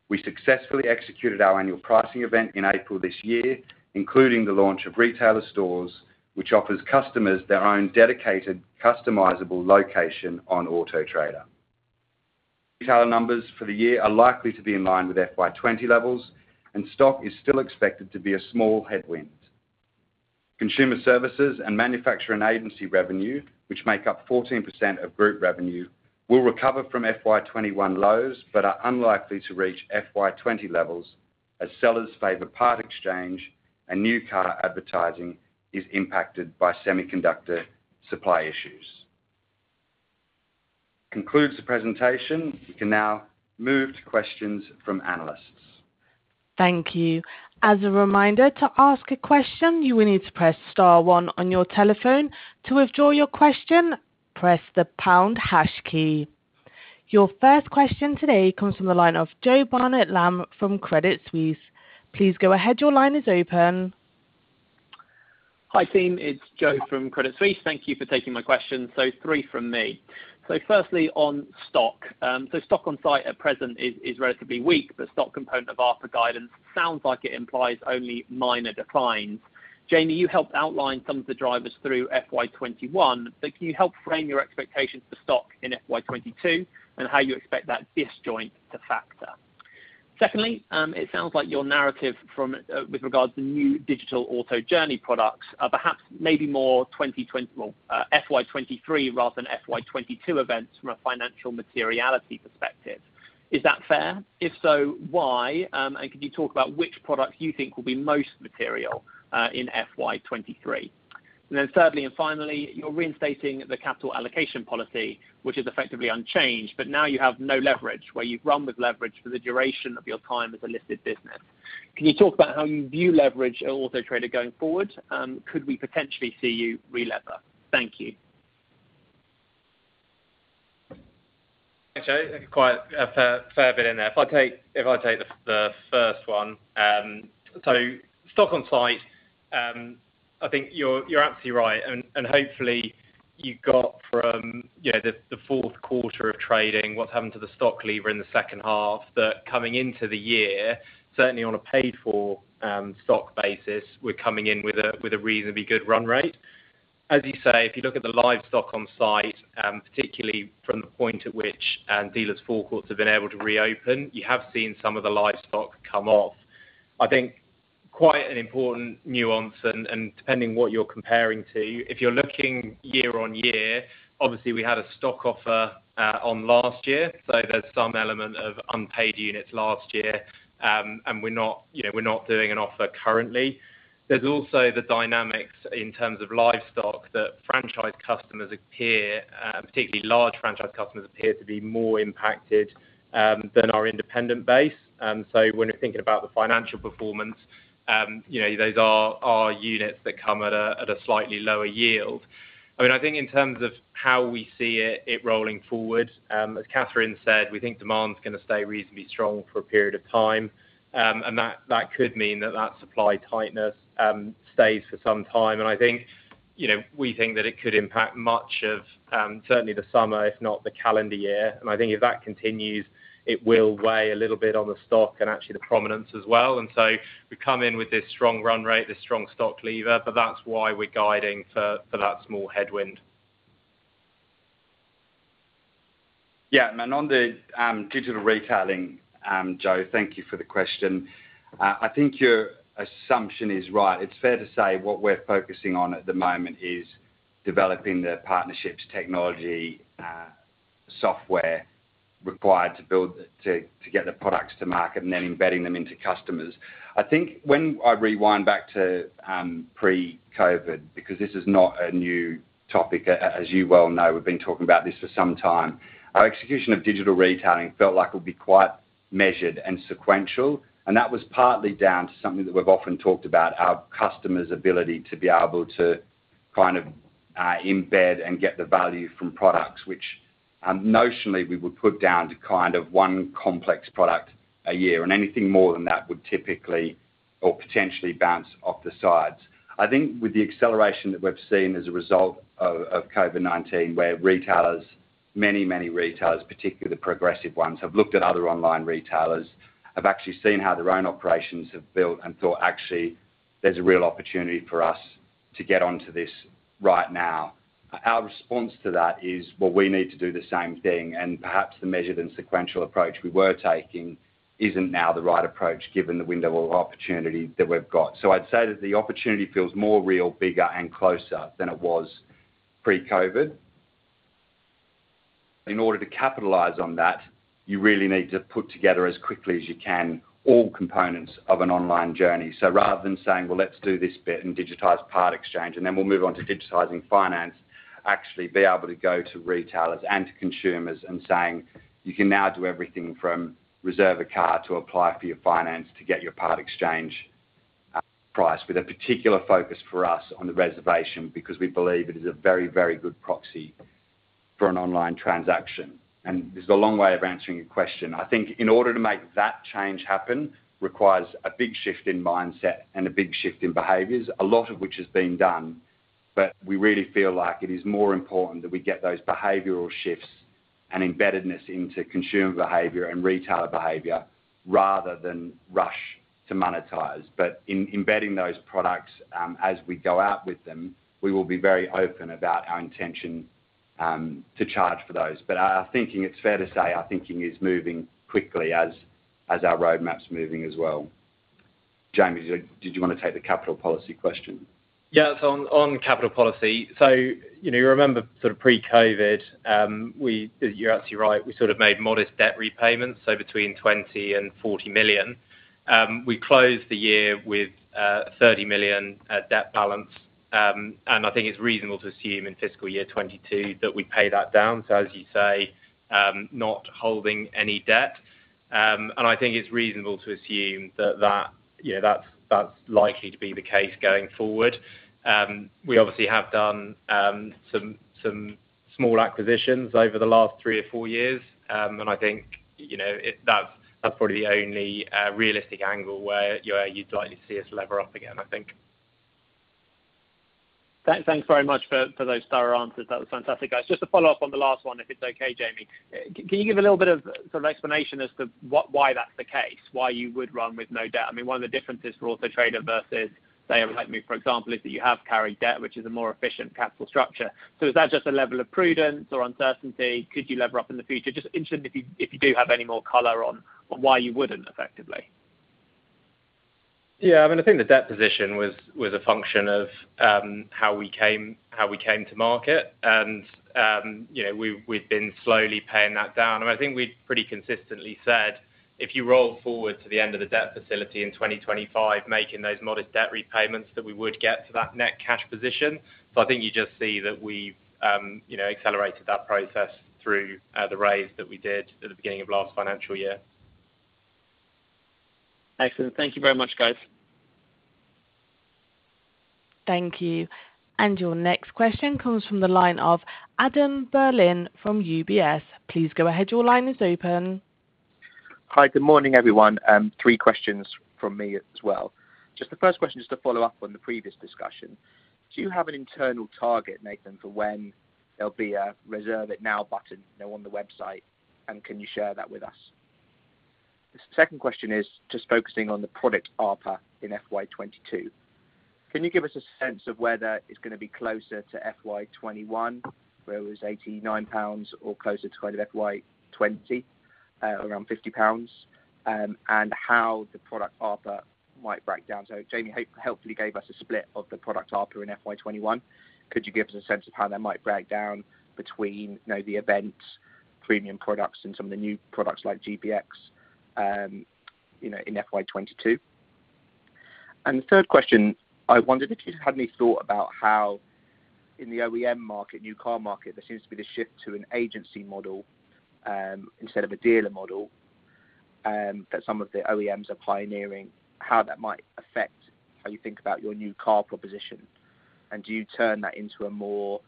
We successfully executed our annual pricing event in April this year, including the launch of Retailer Stores, which offers customers their own dedicated customizable location on Auto Trader. Retailer numbers for the year are likely to be in line with FY 2020 levels, and stock is still expected to be a small headwind. Consumer services and manufacturer and agency revenue, which make up 14% of group revenue, will recover from FY 2021 lows but are unlikely to reach FY 2020 levels as sellers favor part-exchange and new car advertising is impacted by semiconductor supply issues. That concludes the presentation. We can now move to questions from analysts.
Thank you. As a reminder, to ask a question, you will need to press star one on your telephone. To withdraw your question, press the pound hash key. Your first question today comes from the line of Joe Barnet-Lamb from Credit Suisse. Please go ahead. Your line is open.
Hi, team. It's Joe from Credit Suisse. Thank you for taking my question. Three from me. Firstly, on stock. Stock on site at present is relatively weak, but stock component of ARPA guidance sounds like it implies only minor declines. Jamie, you helped outline some of the drivers through FY 2021, but can you help frame your expectations for stock in FY 2022 and how you expect that disjoint to factor? Secondly, it sounds like your narrative with regards to new digital auto journey products are perhaps maybe more FY 2023 rather than FY 2022 events from a financial materiality perspective. Is that fair? If so, why? Can you talk about which product you think will be most material in FY 2023? Thirdly and finally, you're reinstating the capital allocation policy, which is effectively unchanged, but now you have no leverage where you've run with leverage for the duration of your time as a listed business. Can you talk about how you view leverage at Auto Trader going forward? Could we potentially see you relever? Thank you.
Thanks, Joe. Quite a fair bit in there. If I take the first one. Stock on site, I think you're absolutely right. Hopefully you got from the fourth quarter of trading what has happened to the stock lever in the second half, that coming into the year, certainly on a paid-for stock basis, we are coming in with a reasonably good run rate. As you say, if you look at the livestock on site, particularly from the point at which dealers forecourts have been able to reopen, you have seen some of the livestock come off. I think quite an important nuance, depending what you're comparing to, if you're looking year-on-year, obviously we had a stock offer on last year, so there's some element of unpaid units last year. We're not doing an offer currently. There's also the dynamics in terms of livestock that franchise customers appear, particularly large franchise customers appear to be more impacted, than our independent base. When you're thinking about the financial performance, those are our units that come at a slightly lower yield. I think in terms of how we see it rolling forward, as Catherine said, we think demand's going to stay reasonably strong for a period of time. That could mean that that supply tightness stays for some time. I think, we think that it could impact much of, certainly the summer, if not the calendar year. I think if that continues, it will weigh a little bit on the stock and actually the prominence as well. We come in with this strong run rate, this strong stock lever, but that's why we're guiding for that small headwind.
Yeah. On the digital retailing, Joe, thank you for the question. I think your assumption is right. It's fair to say what we're focusing on at the moment is developing the partnerships technology, software required to get the products to market and then embedding them into customers. I think when I rewind back to pre-COVID, because this is not a new topic, as you well know, we've been talking about this for some time. Our execution of digital retailing felt like it would be quite measured and sequential, and that was partly down to something that we've often talked about, our customer's ability to be able to embed and get the value from products, which notionally we would put down to one complex product a year. Anything more than that would typically or potentially bounce off the sides. I think with the acceleration that we've seen as a result of COVID-19, where retailers, many, many retailers, particularly the progressive ones, have looked at other online retailers, have actually seen how their own operations have built and thought, "Actually, there's a real opportunity for us to get onto this right now." Our response to that is, well, we need to do the same thing. Perhaps the measured and sequential approach we were taking isn't now the right approach given the window of opportunity that we've got. I'd say that the opportunity feels more real, bigger, and closer than it was pre-COVID. In order to capitalize on that, you really need to put together as quickly as you can all components of an online journey. Rather than saying, "Well, let's do this bit and digitize part exchange, and then we'll move on to digitizing finance," actually be able to go to retailers and to consumers and saying, "You can now do everything from reserve a car to apply for your finance to get your part exchange price" with a particular focus for us on the reservation because we believe it is a very, very good proxy for an online transaction. This is a long way of answering your question. I think in order to make that change happen requires a big shift in mindset and a big shift in behaviors, a lot of which has been done, but we really feel like it is more important that we get those behavioral shifts and embeddedness into consumer behavior and retailer behavior rather than rush to monetize. In embedding those products, as we go out with them, we will be very open about our intention to charge for those. Our thinking, it's fair to say our thinking is moving quickly as our roadmap's moving as well. Jamie, did you want to take the capital policy question?
Yeah. On capital policy, you remember sort of pre-COVID, you're absolutely right, we sort of made modest debt repayments, between 20 million and 40 million. We closed the year with a 30 million debt balance. I think it's reasonable to assume in fiscal year 2022 that we pay that down. As you say, not holding any debt. I think it's reasonable to assume that's likely to be the case going forward. We obviously have done some small acquisitions over the last three or four years. I think that's probably the only realistic angle where you'd likely see us lever up again, I think.
Thanks very much for those thorough answers. That was fantastic, guys. Just to follow-up on the last one, if it's okay, Jamie. Can you give a little bit of sort of explanation as to why that's the case, why you would run with no debt? One of the differences for Auto Trader versus, say, Rightmove, for example, is that you have carried debt, which is a more efficient capital structure. Is that just a level of prudence or uncertainty? Could you lever up in the future? Just interested if you do have any more color on why you wouldn't effectively.
Yeah. I think the debt position was a function of how we came to market, and we've been slowly paying that down. I think we've pretty consistently said, if you roll forward to the end of the debt facility in 2025, making those modest debt repayments, that we would get to that net cash position. I think you just see that we've accelerated that process through the raise that we did at the beginning of last financial year.
Excellent. Thank you very much, guys.
Thank you. Your next question comes from the line of Adam Berlin from UBS. Please go ahead. Your line is open.
Hi. Good morning, everyone. Three questions from me as well. The first question, just to follow-up on the previous discussion. Do you have an internal target, Nathan, for when there will be a reserve it now button on the website, and can you share that with us? The second question is focusing on the product ARPA in FY 2022. Can you give us a sense of whether it's going to be closer to FY 2021, where it was 89 pounds, or closer to kind of FY 2020, around 50 pounds, and how the product ARPA might break down? Jamie helpfully gave us a split of the product ARPA in FY 2021. Could you give us a sense of how that might break down between the events, Premium products and some of the new products like GPX in FY 2022? The third question, I wondered if you'd had any thought about how in the OEM market, new car market, there seems to be this shift to an agency model, instead of a dealer model, that some of the OEMs are pioneering, how that might affect how you think about your new car proposition, and do you turn that into a more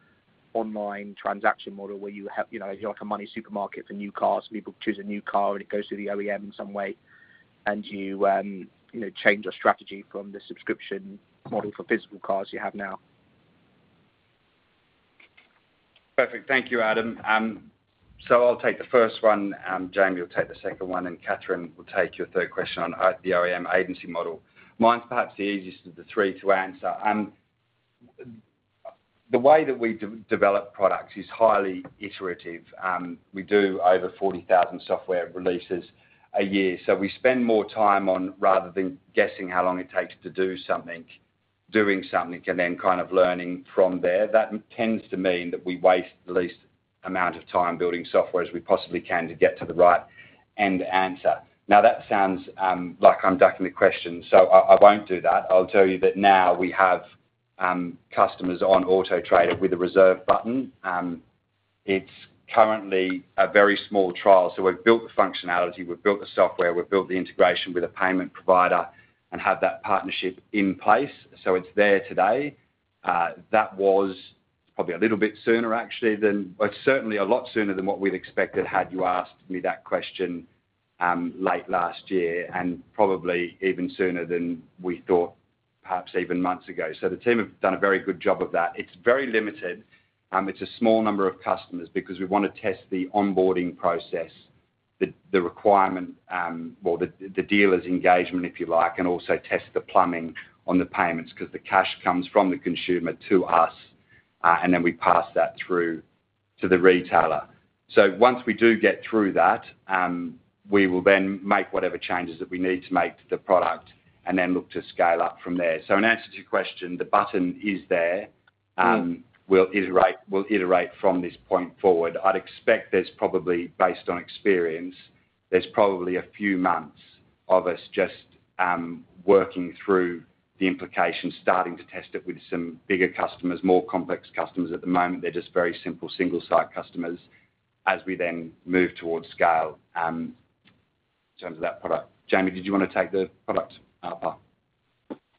online transaction model where you have a MoneySuperMarket for new cars, people choose a new car and it goes through the OEM in some way, and do you change your strategy from the subscription model for physical cars you have now?
Perfect. Thank you, Adam. I'll take the first one, Jamie will take the second one, and Catherine will take your third question on the OEM agency model. Mine's perhaps the easiest of the three to answer. The way that we develop products is highly iterative. We do over 40,000 software releases a year, so we spend more time on, rather than guessing how long it takes to do something, doing something and then kind of learning from there. That tends to mean that we waste the least amount of time building software as we possibly can to get to the right end answer. That sounds like I'm ducking the question, so I won't do that. I'll tell you that now we have customers on Auto Trader with a reserve button. It's currently a very small trial. We've built the functionality, we've built the software, we've built the integration with a payment provider and have that partnership in place. It's there today. That was probably a little bit sooner actually than or certainly a lot sooner than what we'd expected had you asked me that question late last year and probably even sooner than we thought perhaps even months ago. The team have done a very good job of that. It's very limited. It's a small number of customers because we want to test the onboarding process, the requirement, or the dealer's engagement, if you like, and also test the plumbing on the payments, because the cash comes from the consumer to us, and then we pass that through to the retailer. Once we do get through that, we will then make whatever changes that we need to make to the product and then look to scale up from there. In answer to your question, the button is there. We'll iterate from this point forward. I'd expect there's probably, based on experience, there's probably a few months of us just working through the implications, starting to test it with some bigger customers, more complex customers. At the moment, they're just very simple single site customers as we then move towards scale in terms of that product. Jamie, did you want to take the product ARPA?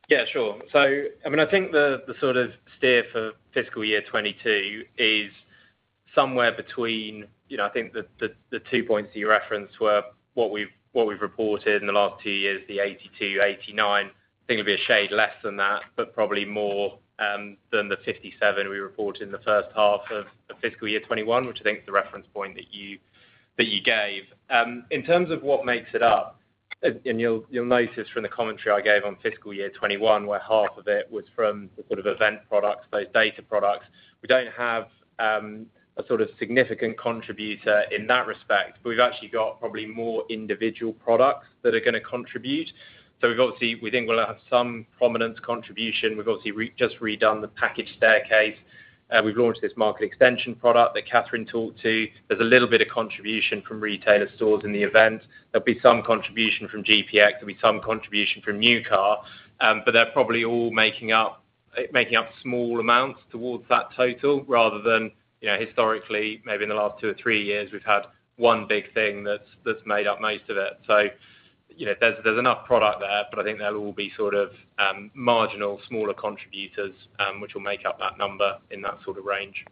Yeah, sure. I think the sort of steer for fiscal year 2022 is somewhere between, I think the two points that you referenced were what we've reported in the last two years, the 82, 89. I think it'll be a shade less than that, but probably more, than the 57 we reported in the first half of fiscal year 2021, which I think is the reference point that you gave. In terms of what makes it up, and you'll notice from the commentary I gave on fiscal year 2021, where half of it was from the sort of event products, those data products. We don't have a sort of significant contributor in that respect, but we've actually got probably more individual products that are going to contribute. We obviously we think we'll have some prominent contribution. We've obviously just redone the package staircase. We've launched this Market Extension product that Catherine talked to. There's a little bit of contribution from Retailer Stores in the event. There'll be some contribution from GPX, there'll be some contribution from new car. They're probably all making up small amounts towards that total rather than historically, maybe in the last two or three years, we've had one big thing that's made up most of it. There's enough product there, but I think they'll all be sort of marginal, smaller contributors, which will make up that number in that sort of range.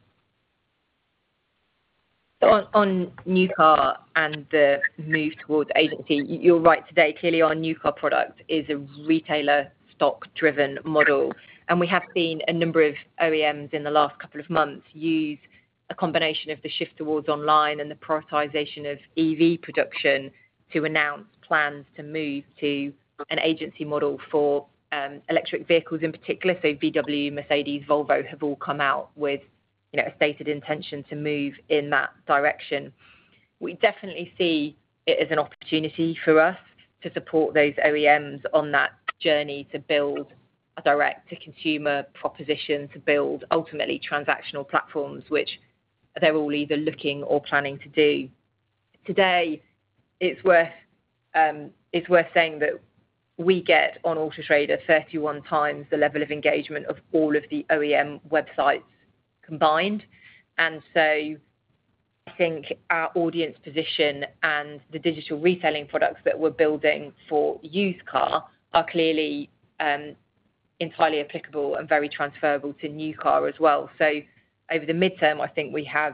On new car and the move towards agency, you're right. Today, clearly our new car product is a retailer stock driven model, and we have seen a number of OEMs in the last couple of months use a combination of the shift towards online and the prioritization of EV production to announce plans to move to an agency model for electric vehicles in particular. VW, Mercedes, Volvo have all come out with a stated intention to move in that direction. We definitely see it as an opportunity for us to support those OEMs on that journey to build a direct-to-consumer proposition, to build ultimately transactional platforms, which they're all either looking or planning to do. Today, it's worth saying that we get on Auto Trader 31x the level of engagement of all of the OEM websites combined. I think our audience position and the digital retailing products that we're building for used car are clearly entirely applicable and very transferable to new car as well. Over the midterm, I think we have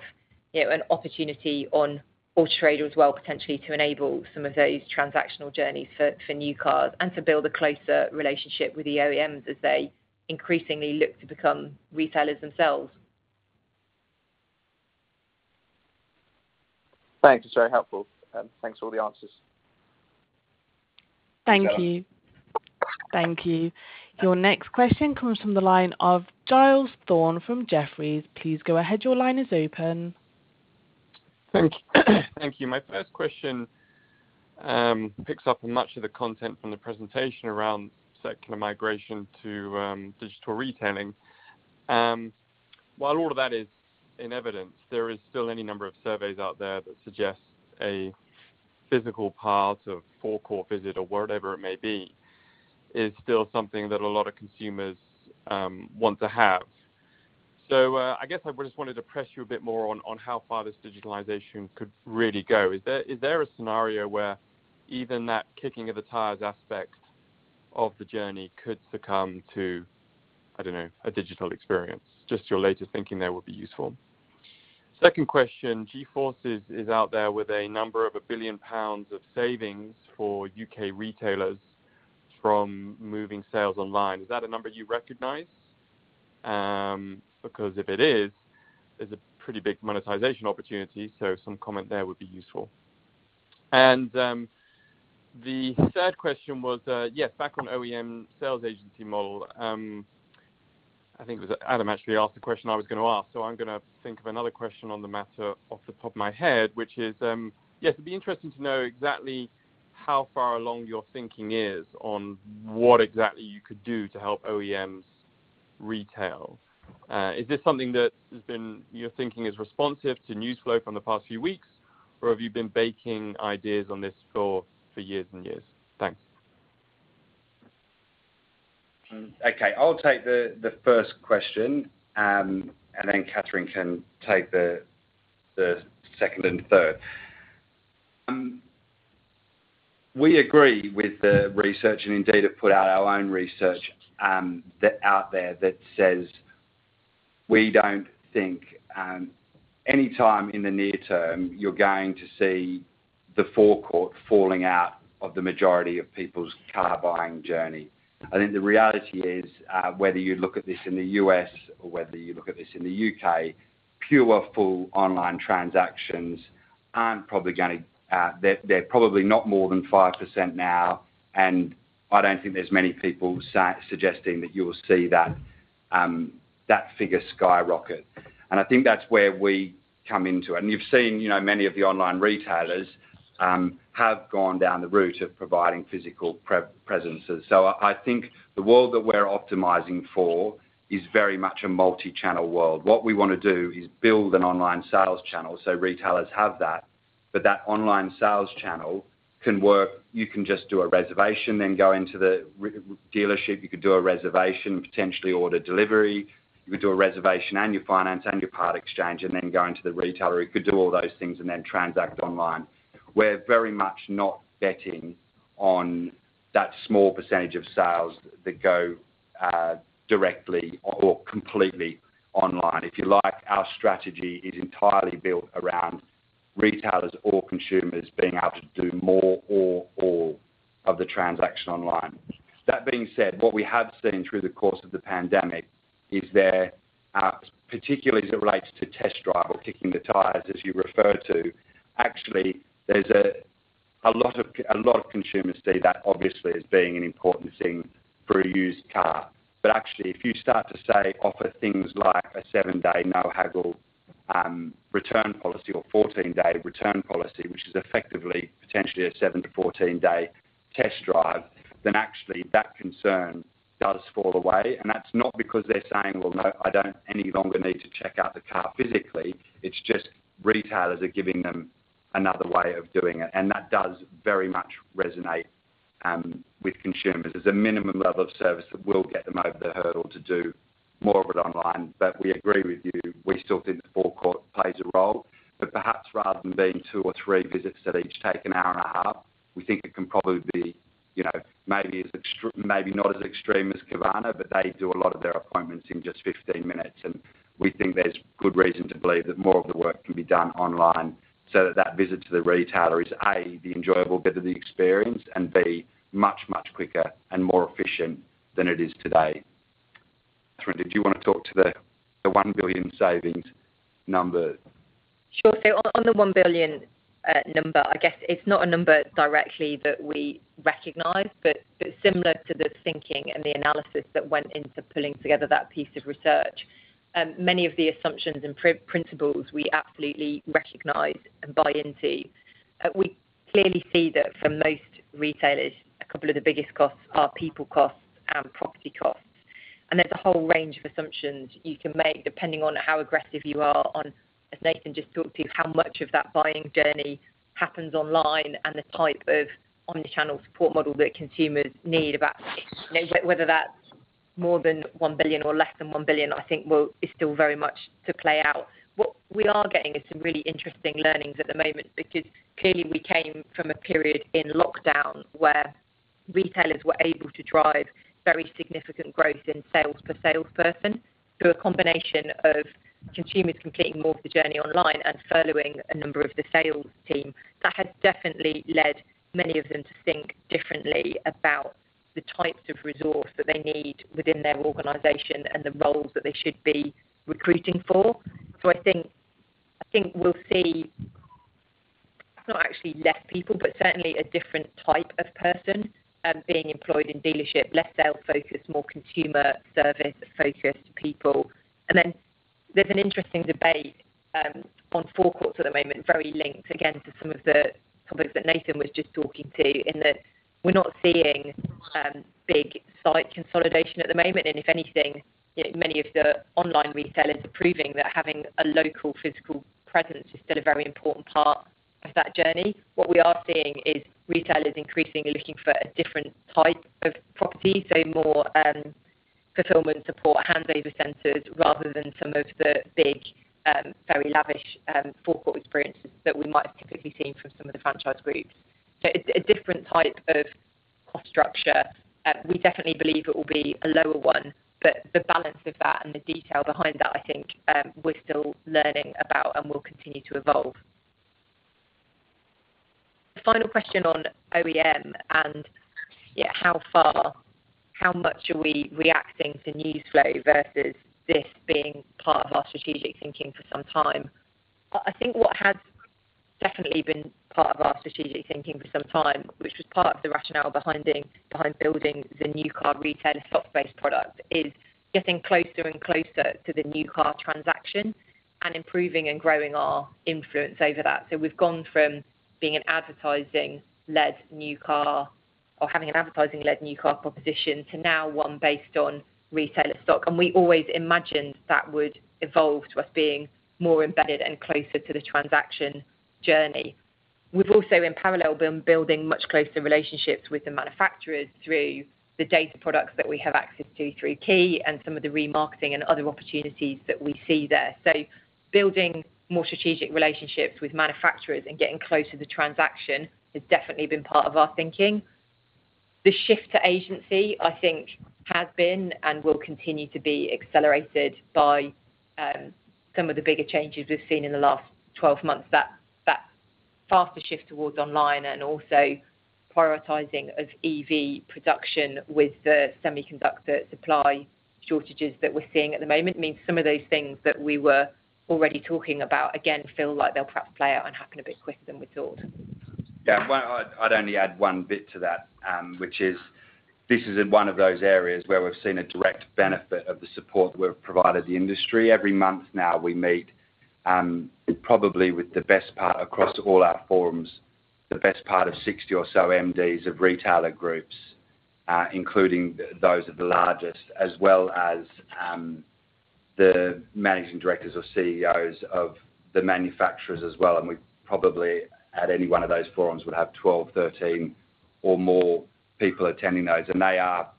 an opportunity on Auto Trader as well, potentially to enable some of those transactional journeys for new cars and to build a closer relationship with the OEMs as they increasingly look to become retailers themselves.
Thanks. It's very helpful, and thanks for all the answers.
Thank you. Your next question comes from the line of Giles Thorne from Jefferies. Please go ahead. Your line is open.
Thank you. My first question picks up on much of the content from the presentation around secular migration to digital retailing. While all of that is in evidence, there is still any number of surveys out there that suggest a physical part of forecourt visit or whatever it may be, is still something that a lot of consumers want to have. I guess I just wanted to press you a bit more on how far this digitalization could really go. Is there a scenario where even that kicking of the tires aspect of the journey could succumb to, I don't know, a digital experience? Just your latest thinking there would be useful. Second question, G-Forces is out there with a number of 1 billion pounds of savings for U.K. retailers from moving sales online. Is that a number you recognize? Because if it is, it's a pretty big monetization opportunity. Some comment there would be useful. The third question was back on OEM sales agency model. I think it was Adam actually asked the question I was going to ask. I'm going to think of another question on the matter off the top of my head, which is, it'd be interesting to know exactly how far along your thinking is on what exactly you could do to help OEMs retail. Is this something that your thinking is responsive to news flow from the past few weeks, or have you been baking ideas on this for years and years? Thanks.
Okay. I'll take the first question, and then Catherine can take the second and third. We agree with the research and indeed have put out our own research out there that says we don't think anytime in the near-term you're going to see the forecourt falling out of the majority of people's car buying journey. I think the reality is whether you look at this in the U.S. or whether you look at this in the U.K., pure full online transactions, they're probably not more than 5% now. I don't think there's many people suggesting that you will see that figure skyrocket. I think that's where we come into it. You've seen many of the online retailers have gone down the route of providing physical presences. I think the world that we're optimizing for is very much a multi-channel world. What we want to do is build an online sales channel so retailers have that. That online sales channel can work. You can just do a reservation, then go into the dealership. You could do a reservation, potentially order delivery. You could do a reservation, and your finance, and your part-exchange, and then go into the retailer. You could do all those things and then transact online. We're very much not betting on that small percentage of sales that go directly or completely online. If you like, our strategy is entirely built around retailers or consumers being able to do more or all of the transaction online. That being said, what we have seen through the course of the pandemic is there, particularly as it relates to test drive or kicking the tires, as you refer to, actually, there is a lot of consumers see that obviously as being an important thing for a used car. Actually, if you start to, say, offer things like a seven-day no haggle return policy or 14-day return policy, which is effectively potentially a 7-14-day test drive, actually that concern does fall away. That is not because they are saying, "Well, no, I do not any longer need to check out the car physically." It is just retailers are giving them another way of doing it, and that does very much resonate with consumers. There is a minimum level of service that will get them over the hurdle to do more of it online. We agree with you. We still think the forecourt plays a role, but perhaps rather than being two or three visits that each take an hour and a half, we think it can probably be maybe not as extreme as Carvana, but they do a lot of their appointments in just 15 minutes, and we think there's good reason to believe that more of the work can be done online so that visit to the retailer is, A, the enjoyable bit of the experience, and B, much, much quicker and more efficient than it is today. Catherine, did you want to talk to the 1 billion savings number?
Sure. On the 1 billion number, I guess it's not a number directly that we recognize, but similar to the thinking and the analysis that went into pulling together that piece of research. Many of the assumptions and principles we absolutely recognize and buy into. We clearly see that for most retailers, a couple of the biggest costs are people costs and property costs. There's a whole range of assumptions you can make depending on how aggressive you are on, as Nathan just talked to, how much of that buying journey happens online and the type of omnichannel support model that consumers need about. Whether that's more than 1 billion or less than 1 billion, I think is still very much to play out. What we are getting is some really interesting learnings at the moment because clearly we came from a period in lockdown where retailers were able to drive very significant growth in sales per salesperson through a combination of consumers completing more of the journey online and furloughing a number of the sales team. That has definitely led many of them to think differently about the types of resource that they need within their organization and the roles that they should be recruiting for. I think we'll see, not actually less people, but certainly a different type of person being employed in dealership, less sales focused, more consumer service focused people. There's an interesting debate on forecourts at the moment, very linked again to some of the comments that Nathan was just talking to in that we're not seeing big site consolidation at the moment. If anything, many of the online retailers are proving that having a local physical presence is still a very important part of that journey. What we are seeing is retailers increasingly looking for a different type of property, so more fulfillment support, handover centers, rather than some of the big, very lavish forecourt experiences that we might typically see from some of the franchise groups. It's a different type of cost structure. We definitely believe it will be a lower one, but the balance of that and the detail behind that, I think, we're still learning about and will continue to evolve. The final question on OEM and how far, how much are we reacting to news flow versus this being part of our strategic thinking for some time. I think what has definitely been part of our strategic thinking for some time, which was part of the rationale behind building the new car retailer stock-based product, is getting closer and closer to the new car transaction and improving and growing our influence over that. We've gone from being an advertising led new car, or having an advertising led new car proposition to now one based on retailer stock. We always imagined that would evolve to us being more embedded and closer to the transaction journey. We've also in parallel been building much closer relationships with the manufacturers through the data products that we have access to through KeeResources and some of the remarketing and other opportunities that we see there. Building more strategic relationships with manufacturers and getting closer to transaction has definitely been part of our thinking. The shift to agency, I think has been and will continue to be accelerated by some of the bigger changes we've seen in the last 12 months. That faster shift towards online and also prioritizing of EV production with the semiconductor supply shortages that we're seeing at the moment means some of those things that we were already talking about again, feel like they'll perhaps play out and happen a bit quicker than we thought.
Yeah, I'd only add one bit to that, which is this is one of those areas where we've seen a direct benefit of the support that we've provided the industry. Every month now we meet probably with the best part across all our forums, the best part of 60 or so MDs of retailer groups, including those of the largest as well as the managing directors or CEOs of the manufacturers as well. We probably at any one of those forums will have 12, 13 or more people attending those. They are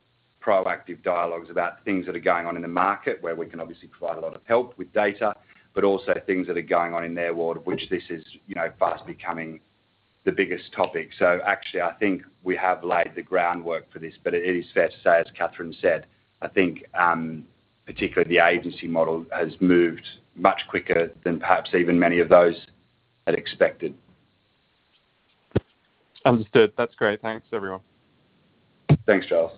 proactive dialogues about things that are going on in the market where we can obviously provide a lot of help with data, but also things that are going on in their world, which this is fast becoming the biggest topic. Actually I think we have laid the groundwork for this, but it is fair to say, as Catherine said, I think particularly the agency model has moved much quicker than perhaps even many of those had expected.
Understood. That's great. Thanks everyone.
Thanks, Giles.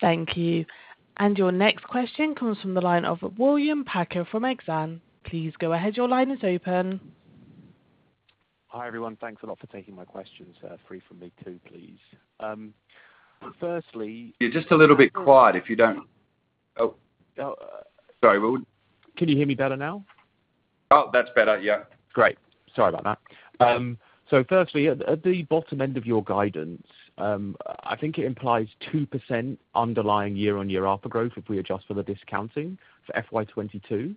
Thank you. Your next question comes from the line of William Packer from Exane. Please go ahead. Your line is open.
Hi, everyone. Thanks a lot for taking my questions. Three for me too, please.
You're just a little bit quiet. Oh, sorry, William.
Can you hear me better now?
Oh, that's better. Yeah.
Firstly, at the bottom end of your guidance, I think it implies 2% underlying year-over-year ARPA growth if we adjust for the discounting for FY 2022,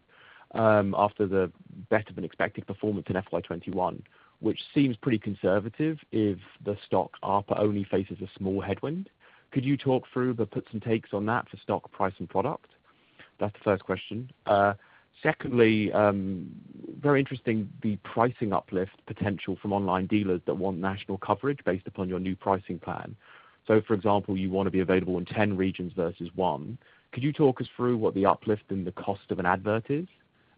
after the better than expected performance in FY 2021, which seems pretty conservative if the stock ARPA only faces a small headwind. Could you talk through the puts and takes on that for stock price and product? That's the first question. Secondly, very interesting, the pricing uplift potential from online dealers that want national coverage based upon your new pricing plan. For example, you want to be available in 10 regions versus one. Could you talk us through what the uplift in the cost of an advert is?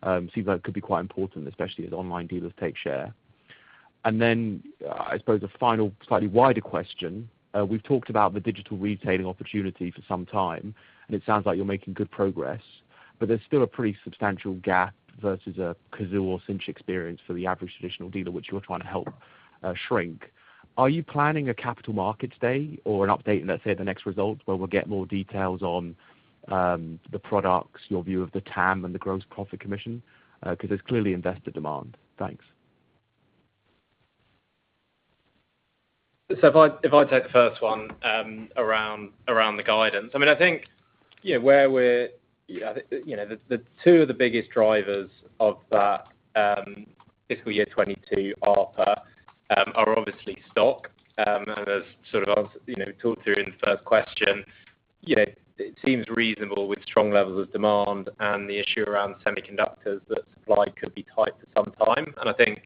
Seems like that could be quite important, especially as online dealers take share. I suppose a final slightly wider question. We've talked about the digital retailing opportunity for some time, and it sounds like you're making good progress, but there's still a pretty substantial gap versus a Cazoo or Cinch experience for the average traditional dealer, which you're trying to help shrink. Are you planning a Capital Markets Day or an update, let's say the next results where we'll get more details on the products, your view of the TAM and the gross profit commission? Because there's clearly investor demand. Thanks.
If I take the first one around the guidance, I think the two of the biggest drivers of that FY 2022 ARPA are obviously stock. As sort of talked to in the first question, it seems reasonable with strong levels of demand and the issue around semiconductors that supply could be tight for some time. I think,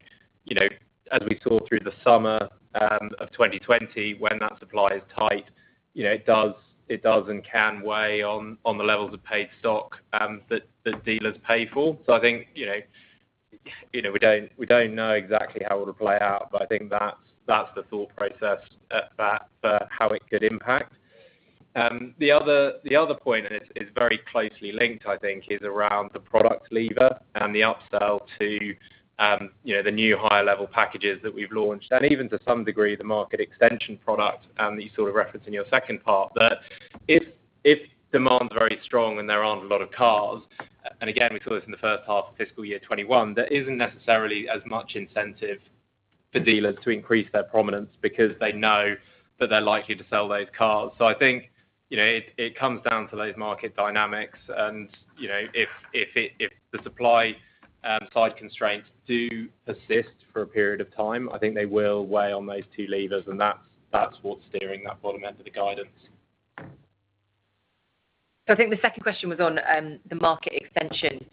as we saw through the summer of 2020, when that supply is tight, it does and can weigh on the levels of paid stock that dealers pay for. We don't know exactly how it'll play out, but I think that's the thought process for how it could impact. The other point is very closely linked, I think, is around the product lever and the upsell to the new higher level packages that we've launched, and even to some degree, the Market Extension product, that you sort of referenced in your second part. That if demand's very strong and there aren't a lot of cars, and again, we saw this in the first half of fiscal year 2021, there isn't necessarily as much incentive for dealers to increase their prominence because they know that they're likely to sell those cars. I think, it comes down to those market dynamics and, if the supply side constraints do persist for a period of time, I think they will weigh on those two levers, and that's what's steering that bottom end of the guidance.
I think the second question was on the Market Extension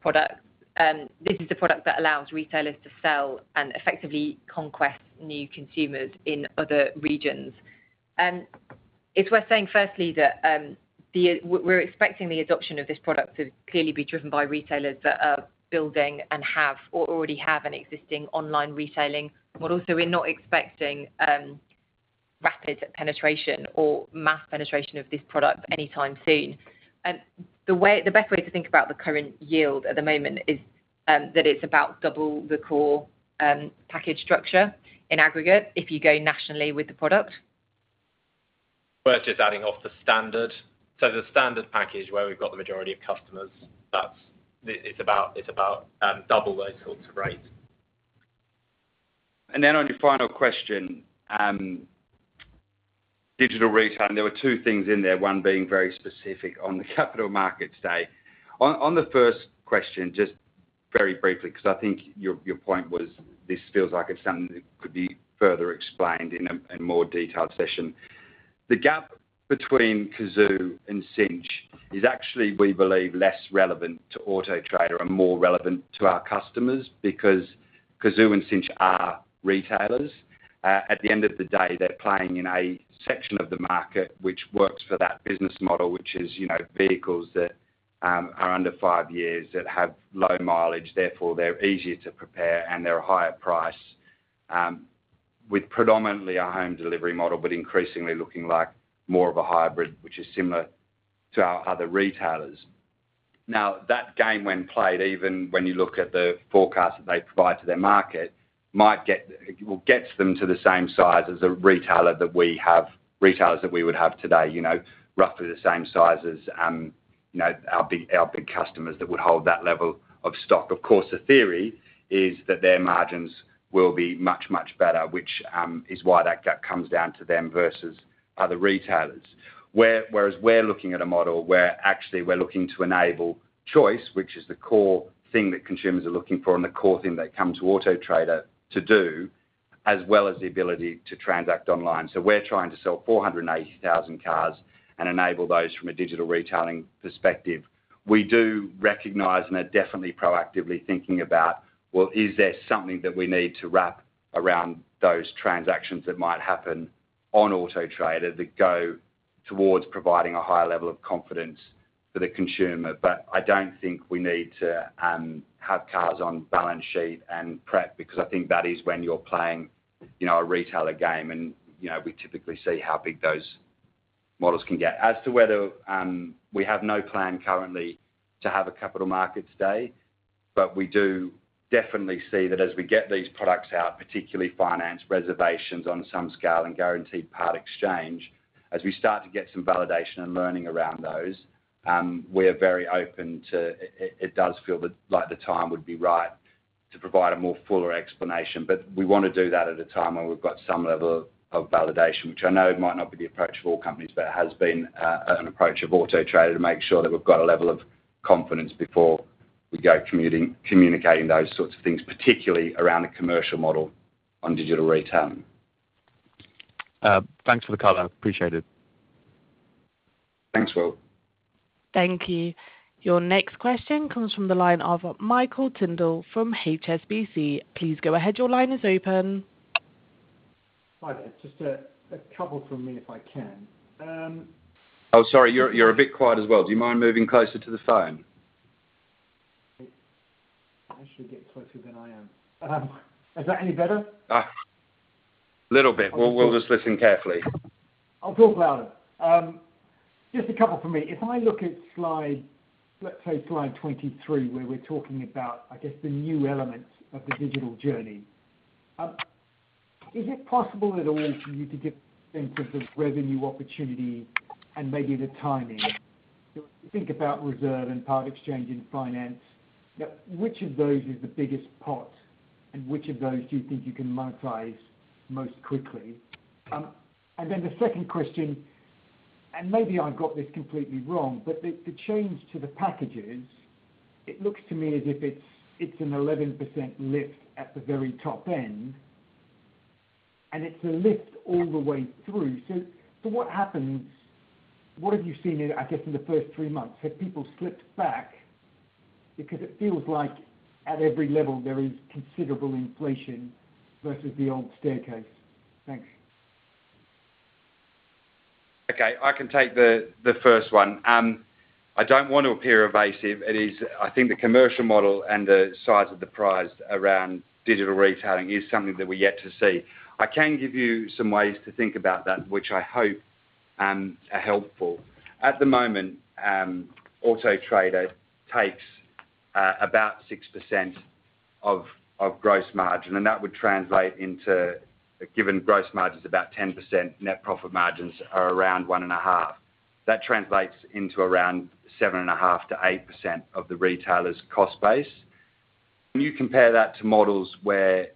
product. This is the product that allows retailers to sell and effectively conquest new consumers in other regions. It's worth saying, firstly, that we're expecting the adoption of this product to clearly be driven by retailers that are building or already have an existing online retailing model. We're not expecting rapid penetration or mass penetration of this product anytime soon. The best way to think about the current yield at the moment is that it's about double the core package structure in aggregate if you go nationally with the product.
We're just adding off the standard. The standard package where we've got the majority of customers, it's about double those sorts of rates.
Then on your final question, digital retail. There were two things in there, one being very specific on the Capital Markets Day. On the first question, just very briefly, because I think your point was this feels like it's something that could be further explained in a more detailed session. The gap between Cazoo and Cinch is actually, we believe, less relevant to Auto Trader and more relevant to our customers, because Cazoo and Cinch are retailers. At the end of the day, they're playing in a section of the market which works for that business model, which is, vehicles that are under five years that have low mileage, therefore they're easier to prepare, and they're a higher price, with predominantly a home delivery model, but increasingly looking like more of a hybrid, which is similar to our other retailers. Now, that game when played, even when you look at the forecast that they provide to their market, gets them to the same size as the retailers that we would have today. Roughly the same size as our big customers that would hold that level of stock. Of course, the theory is that their margins will be much, much better, which is why that gap comes down to them versus other retailers. Whereas we're looking at a model where actually we're looking to enable choice, which is the core thing that consumers are looking for and the core thing they come to Auto Trader to do, as well as the ability to transact online. We're trying to sell 480,000 cars and enable those from a digital retailing perspective. We do recognize and are definitely proactively thinking about, well, is there something that we need to wrap around those transactions that might happen on Auto Trader that go towards providing a higher level of confidence for the consumer? I don't think we need to have cars on balance sheet and prep, because I think that is when you're playing a retailer game and we typically see how big those models can get. We have no plan currently to have a Capital Markets Day, but we do definitely see that as we get these products out, particularly finance reservations on some scale and Guaranteed Part-Exchange. As we start to get some validation and learning around those, we're very open to. It does feel like the time would be right to provide a more fuller explanation. We want to do that at a time where we've got some level of validation, which I know might not be the approach of all companies, but has been an approach of Auto Trader to make sure that we've got a level of confidence before we go communicating those sorts of things, particularly around the commercial model on digital retailing.
Thanks for the call. I appreciate it.
Thanks, Will.
Thank you. Your next question comes from the line of Michael Tindall from HSBC. Please go ahead. Your line is open.
Hi there. Just a couple from me, if I can.
Oh, sorry. You're a bit quiet as well. Do you mind moving closer to the phone?
I should get closer than I am. Is that any better?
Little bit. We'll just listen carefully.
I'll talk louder. Just a couple from me. If I look at slide, let's say slide 23, where we're talking about, I guess, the new elements of the digital journey. Is it possible at all for you to give a sense of the revenue opportunity and maybe the timing? If you think about reserve and part-exchange and finance, which of those is the biggest pot, and which of those do you think you can monetize most quickly? The second question, maybe I've got this completely wrong, the change to the packages, it looks to me as if it's an 11% lift at the very top end, and it's a lift all the way through. What have you seen, I guess, in the first three months? Have people slipped back? It feels like at every level there is considerable inflation versus the old staircase. Thanks.
Okay, I can take the first one. I don't want to appear evasive. I think the commercial model and the size of the prize around digital retailing is something that we're yet to see. I can give you some ways to think about that, which I hope are helpful. At the moment, Auto Trader takes about 6% of gross margin, and that would translate into, given gross margin's about 10%, net profit margins are around 1.5%. That translates into around 7.5%-8% of the retailer's cost base. You compare that to models where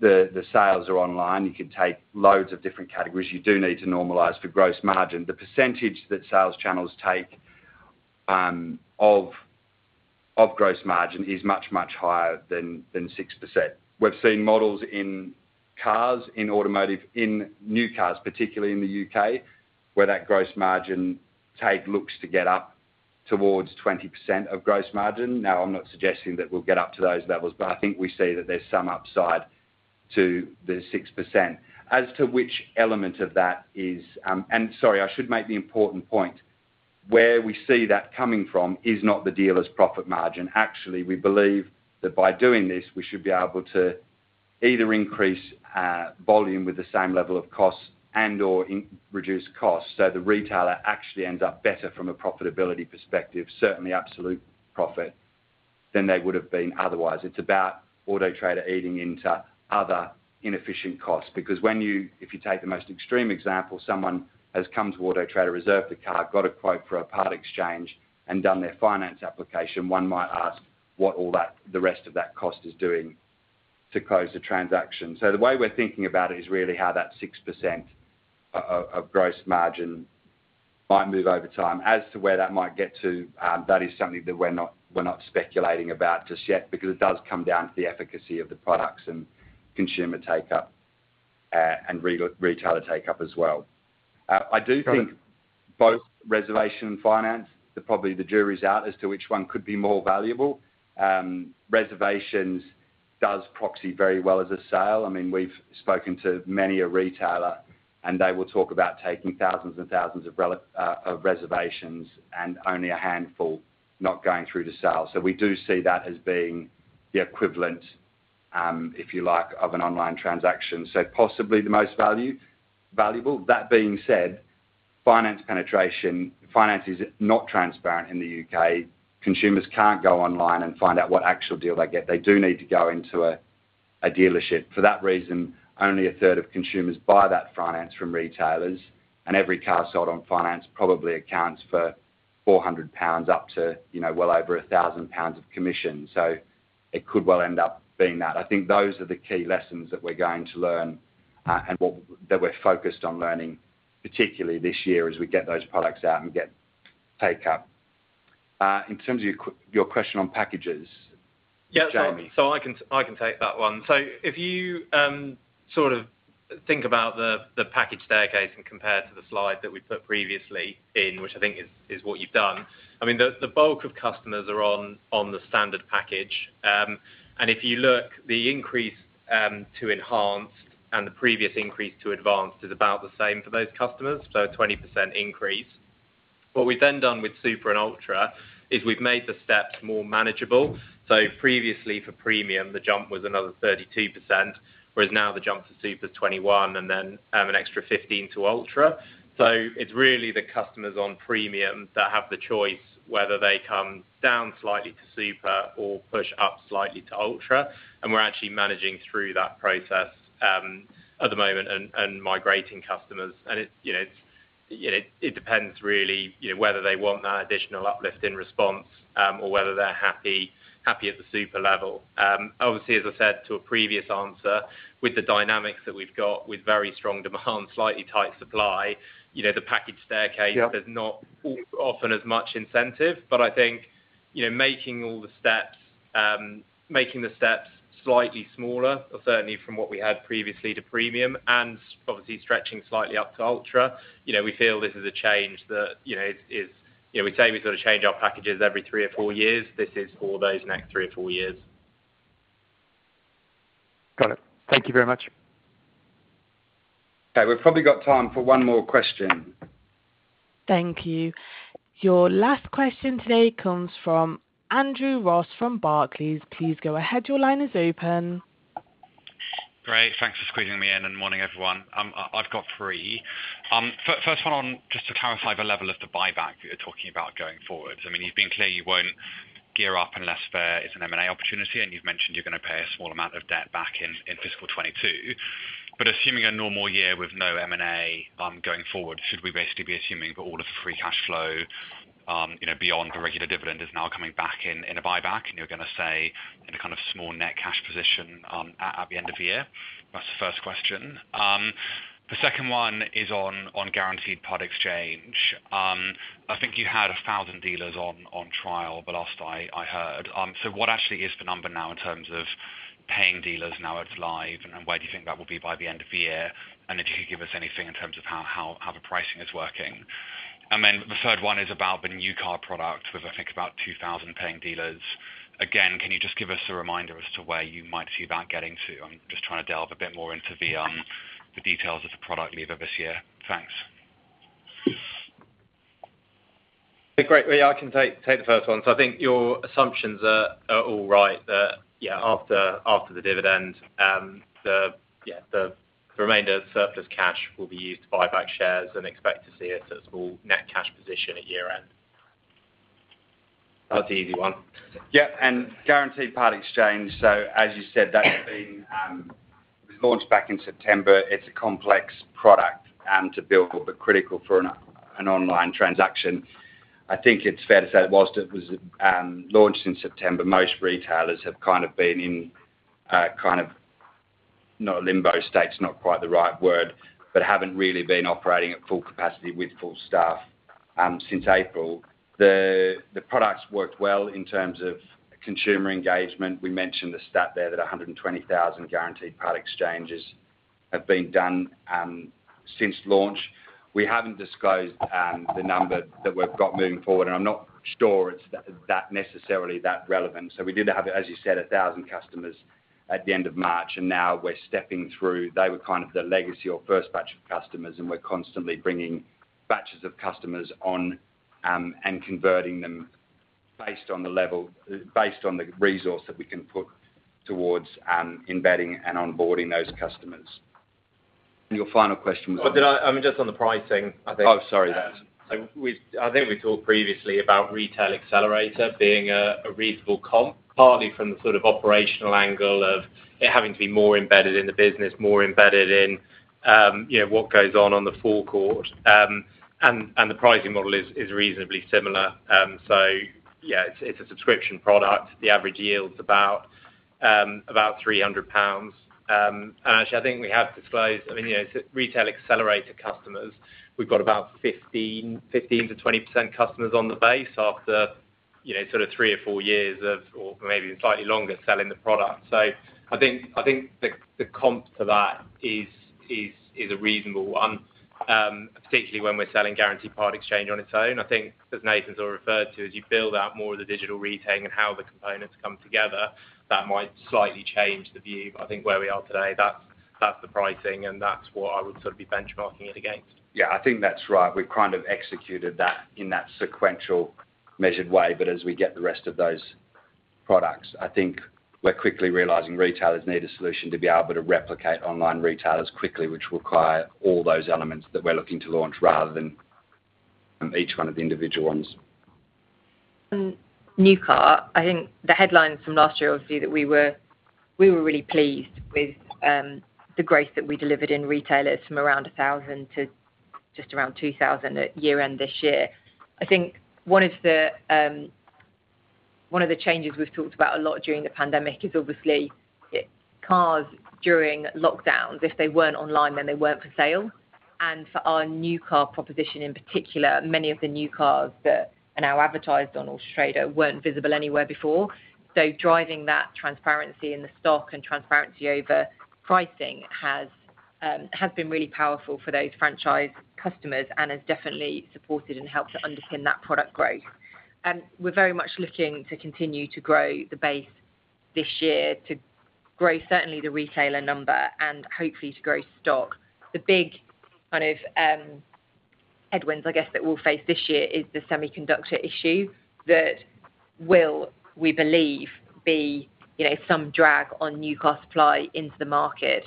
the sales are online. You can take loads of different categories. You do need to normalize for gross margin. The percentage that sales channels take of gross margin is much, much higher than 6%. We've seen models in cars, in automotive, in new cars, particularly in the U.K., where that gross margin take looks to get up towards 20% of gross margin. I'm not suggesting that we'll get up to those levels, but I think we see that there's some upside to the 6%. As to which element of that sorry, I should make the important point, where we see that coming from is not the dealer's profit margin. Actually, we believe that by doing this, we should be able to either increase volume with the same level of cost and/or reduce cost. The retailer actually ends up better from a profitability perspective, certainly absolute profit, than they would've been otherwise. It's about Auto Trader eating into other inefficient costs. If you take the most extreme example, someone has come to Auto Trader, reserved the car, got a quote for a part exchange, and done their finance application. One might ask what all the rest of that cost is doing to close the transaction. The way we're thinking about it is really how that 6% of gross margin might move over time. As to where that might get to, that is something that we're not speculating about just yet, because it does come down to the efficacy of the products and consumer take-up, and retailer take-up as well. I do think both reservation and finance, probably the jury's out as to which one could be more valuable. Reservations does proxy very well as a sale. We've spoken to many a retailer, they will talk about taking thousands and thousands of reservations and only a handful not going through to sale. We do see that as being the equivalent, if you like, of an online transaction. Possibly the most valuable. That being said, finance penetration, finance is not transparent in the U.K. Consumers can't go online and find out what actual deal they get. They do need to go into a dealership. For that reason, only a third of consumers buy that finance from retailers, and every car sold on finance probably accounts for 400 pounds up to well over 1,000 pounds of commission. It could well end up being that. I think those are the key lessons that we're going to learn and that we're focused on learning, particularly this year as we get those products out and get take-up. In terms of your question on packages, Jamie.
Yeah. I can take that one. If you think about the package staircase and compare to the slide that we put previously in, which I think is what you've done. The bulk of customers are on the standard package. If you look, the increase to Enhanced and the previous increase to Advanced is about the same for those customers, a 20% increase. What we've then done with Super and Ultra is we've made the steps more manageable. Previously, for Premium, the jump was another 32%, whereas now the jump to Super is 21% and then an extra 15% to Ultra. It's really the customers on Premium that have the choice whether they come down slightly to Super or push up slightly to Ultra, and we're actually managing through that process at the moment and migrating customers. It depends really whether they want that additional uplift in response or whether they're happy at the Super level. Obviously, as I said to a previous answer, with the dynamics that we've got with very strong demand, slightly tight supply, the package staircase there's not often as much incentive. I think making the steps slightly smaller, certainly from what we had previously to Premium and stretching slightly up to Ultra, we feel this is a change. We say we sort of change our packages every three or four years. This is for those next three or four years.
Got it. Thank you very much.
Okay. We've probably got time for one more question.
Thank you. Your last question today comes from Andrew Ross from Barclays. Please go ahead. Your line is open.
Great. Thanks for squeezing me in. Morning, everyone. I've got three. First one on just to clarify the level of the buyback that you're talking about going forward. You've been clear you won't gear up unless there is an M&A opportunity, and you've mentioned you're going to pay a small amount of debt back in fiscal 2022. Assuming a normal year with no M&A going forward, should we basically be assuming that all the free cash flow beyond the rate of the dividend is now coming back in a buyback and you're going to stay in a kind of small net cash position at the end of the year? That's the first question. The second one is on Guaranteed Part-Exchange. I think you had 1,000 dealers on trial the last I heard. What actually is the number now in terms of paying dealers now it's live, and where do you think that will be by the end of the year? Can you give us anything in terms of how the pricing is working? The third one is about the new car product with, I think, about 2,000 paying dealers. Can you just give us a reminder as to where you might be about getting to? I am just trying to delve a bit more into the details of the product later this year. Thanks.
Great. I can take the first one. I think your assumptions are all right that after the dividend, the remainder surplus cash will be used to buy back shares and expect to see a small net cash position at year-end. That was the easy one.
Guaranteed Part-Exchange, as you said, that was launched back in September. It's a complex product to build, critical for an online transaction. I think it's fair to say while it was launched in September, most retailers have been in, not a limbo state's not quite the right word, haven't really been operating at full capacity with full staff since April. The product's worked well in terms of consumer engagement. We mentioned the stat there that 120,000 Guaranteed Part-Exchanges have been done since launch. We haven't disclosed the number that we've got moving forward, I'm not sure it's necessarily that relevant. We did have, as you said, 1,000 customers at the end of March, now we're stepping through. They were kind of the legacy or first batch of customers, and we're constantly bringing batches of customers on, and converting them based on the resource that we can put towards embedding and onboarding those customers. Your final question was on.
Just on the pricing.
Oh, sorry.
I think we talked previously about Retail Accelerator being a reasonable comp, partly from the sort of operational angle of it having to be more embedded in the business, more embedded in what goes on the forecourt. The pricing model is reasonably similar. Yeah, it's a subscription product. The average yield's about 300 pounds. Actually, I think we have disclosed, Retail Accelerator customers, we've got about 15%-20% customers on the base after three or four years of, or maybe slightly longer, selling the product. I think the comp for that is a reasonable one, particularly when we're selling Guaranteed Part-Exchange on its own. I think as Nathan's already referred to, as you build out more of the digital retailing and how the components come together, that might slightly change the view. I think where we are today, that's the pricing, and that's what I would be benchmarking it against.
Yeah, I think that's right. We've kind of executed that in that sequential measured way. As we get the rest of those products, I think we're quickly realizing retailers need a solution to be able to replicate online retailers quickly, which require all those elements that we're looking to launch rather than each one of the individual ones.
New car, I think the headline from last year, obviously, that we were really pleased with the growth that we delivered in retailers from around 1,000 to just around 2,000 at year-end this year. I think one of the changes we've talked about a lot during the pandemic is obviously cars during lockdowns, if they weren't online, then they weren't for sale. For our new car proposition, in particular, many of the new cars that are now advertised on Auto Trader weren't visible anywhere before. Driving that transparency in the stock and transparency over pricing has been really powerful for those franchise customers and has definitely supported and helped to underpin that product growth. We're very much looking to continue to grow the base this year to grow certainly the retailer number and hopefully to grow stock. The big kind of headwinds, I guess, that we'll face this year is the semiconductor issue that will, we believe, be some drag on new car supply into the market,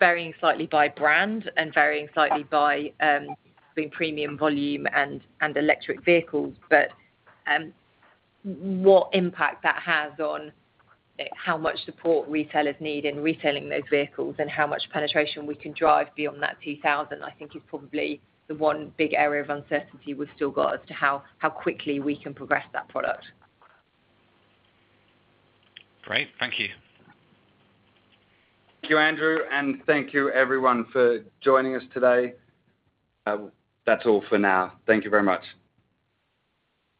varying slightly by brand and varying slightly between premium volume and electric vehicles. What impact that has on how much support retailers need in retailing those vehicles and how much penetration we can drive beyond that 2,000, I think is probably the one big area of uncertainty we've still got as to how quickly we can progress that product.
Great. Thank you.
Thank you, Andrew, and thank you everyone for joining us today. That's all for now. Thank you very much.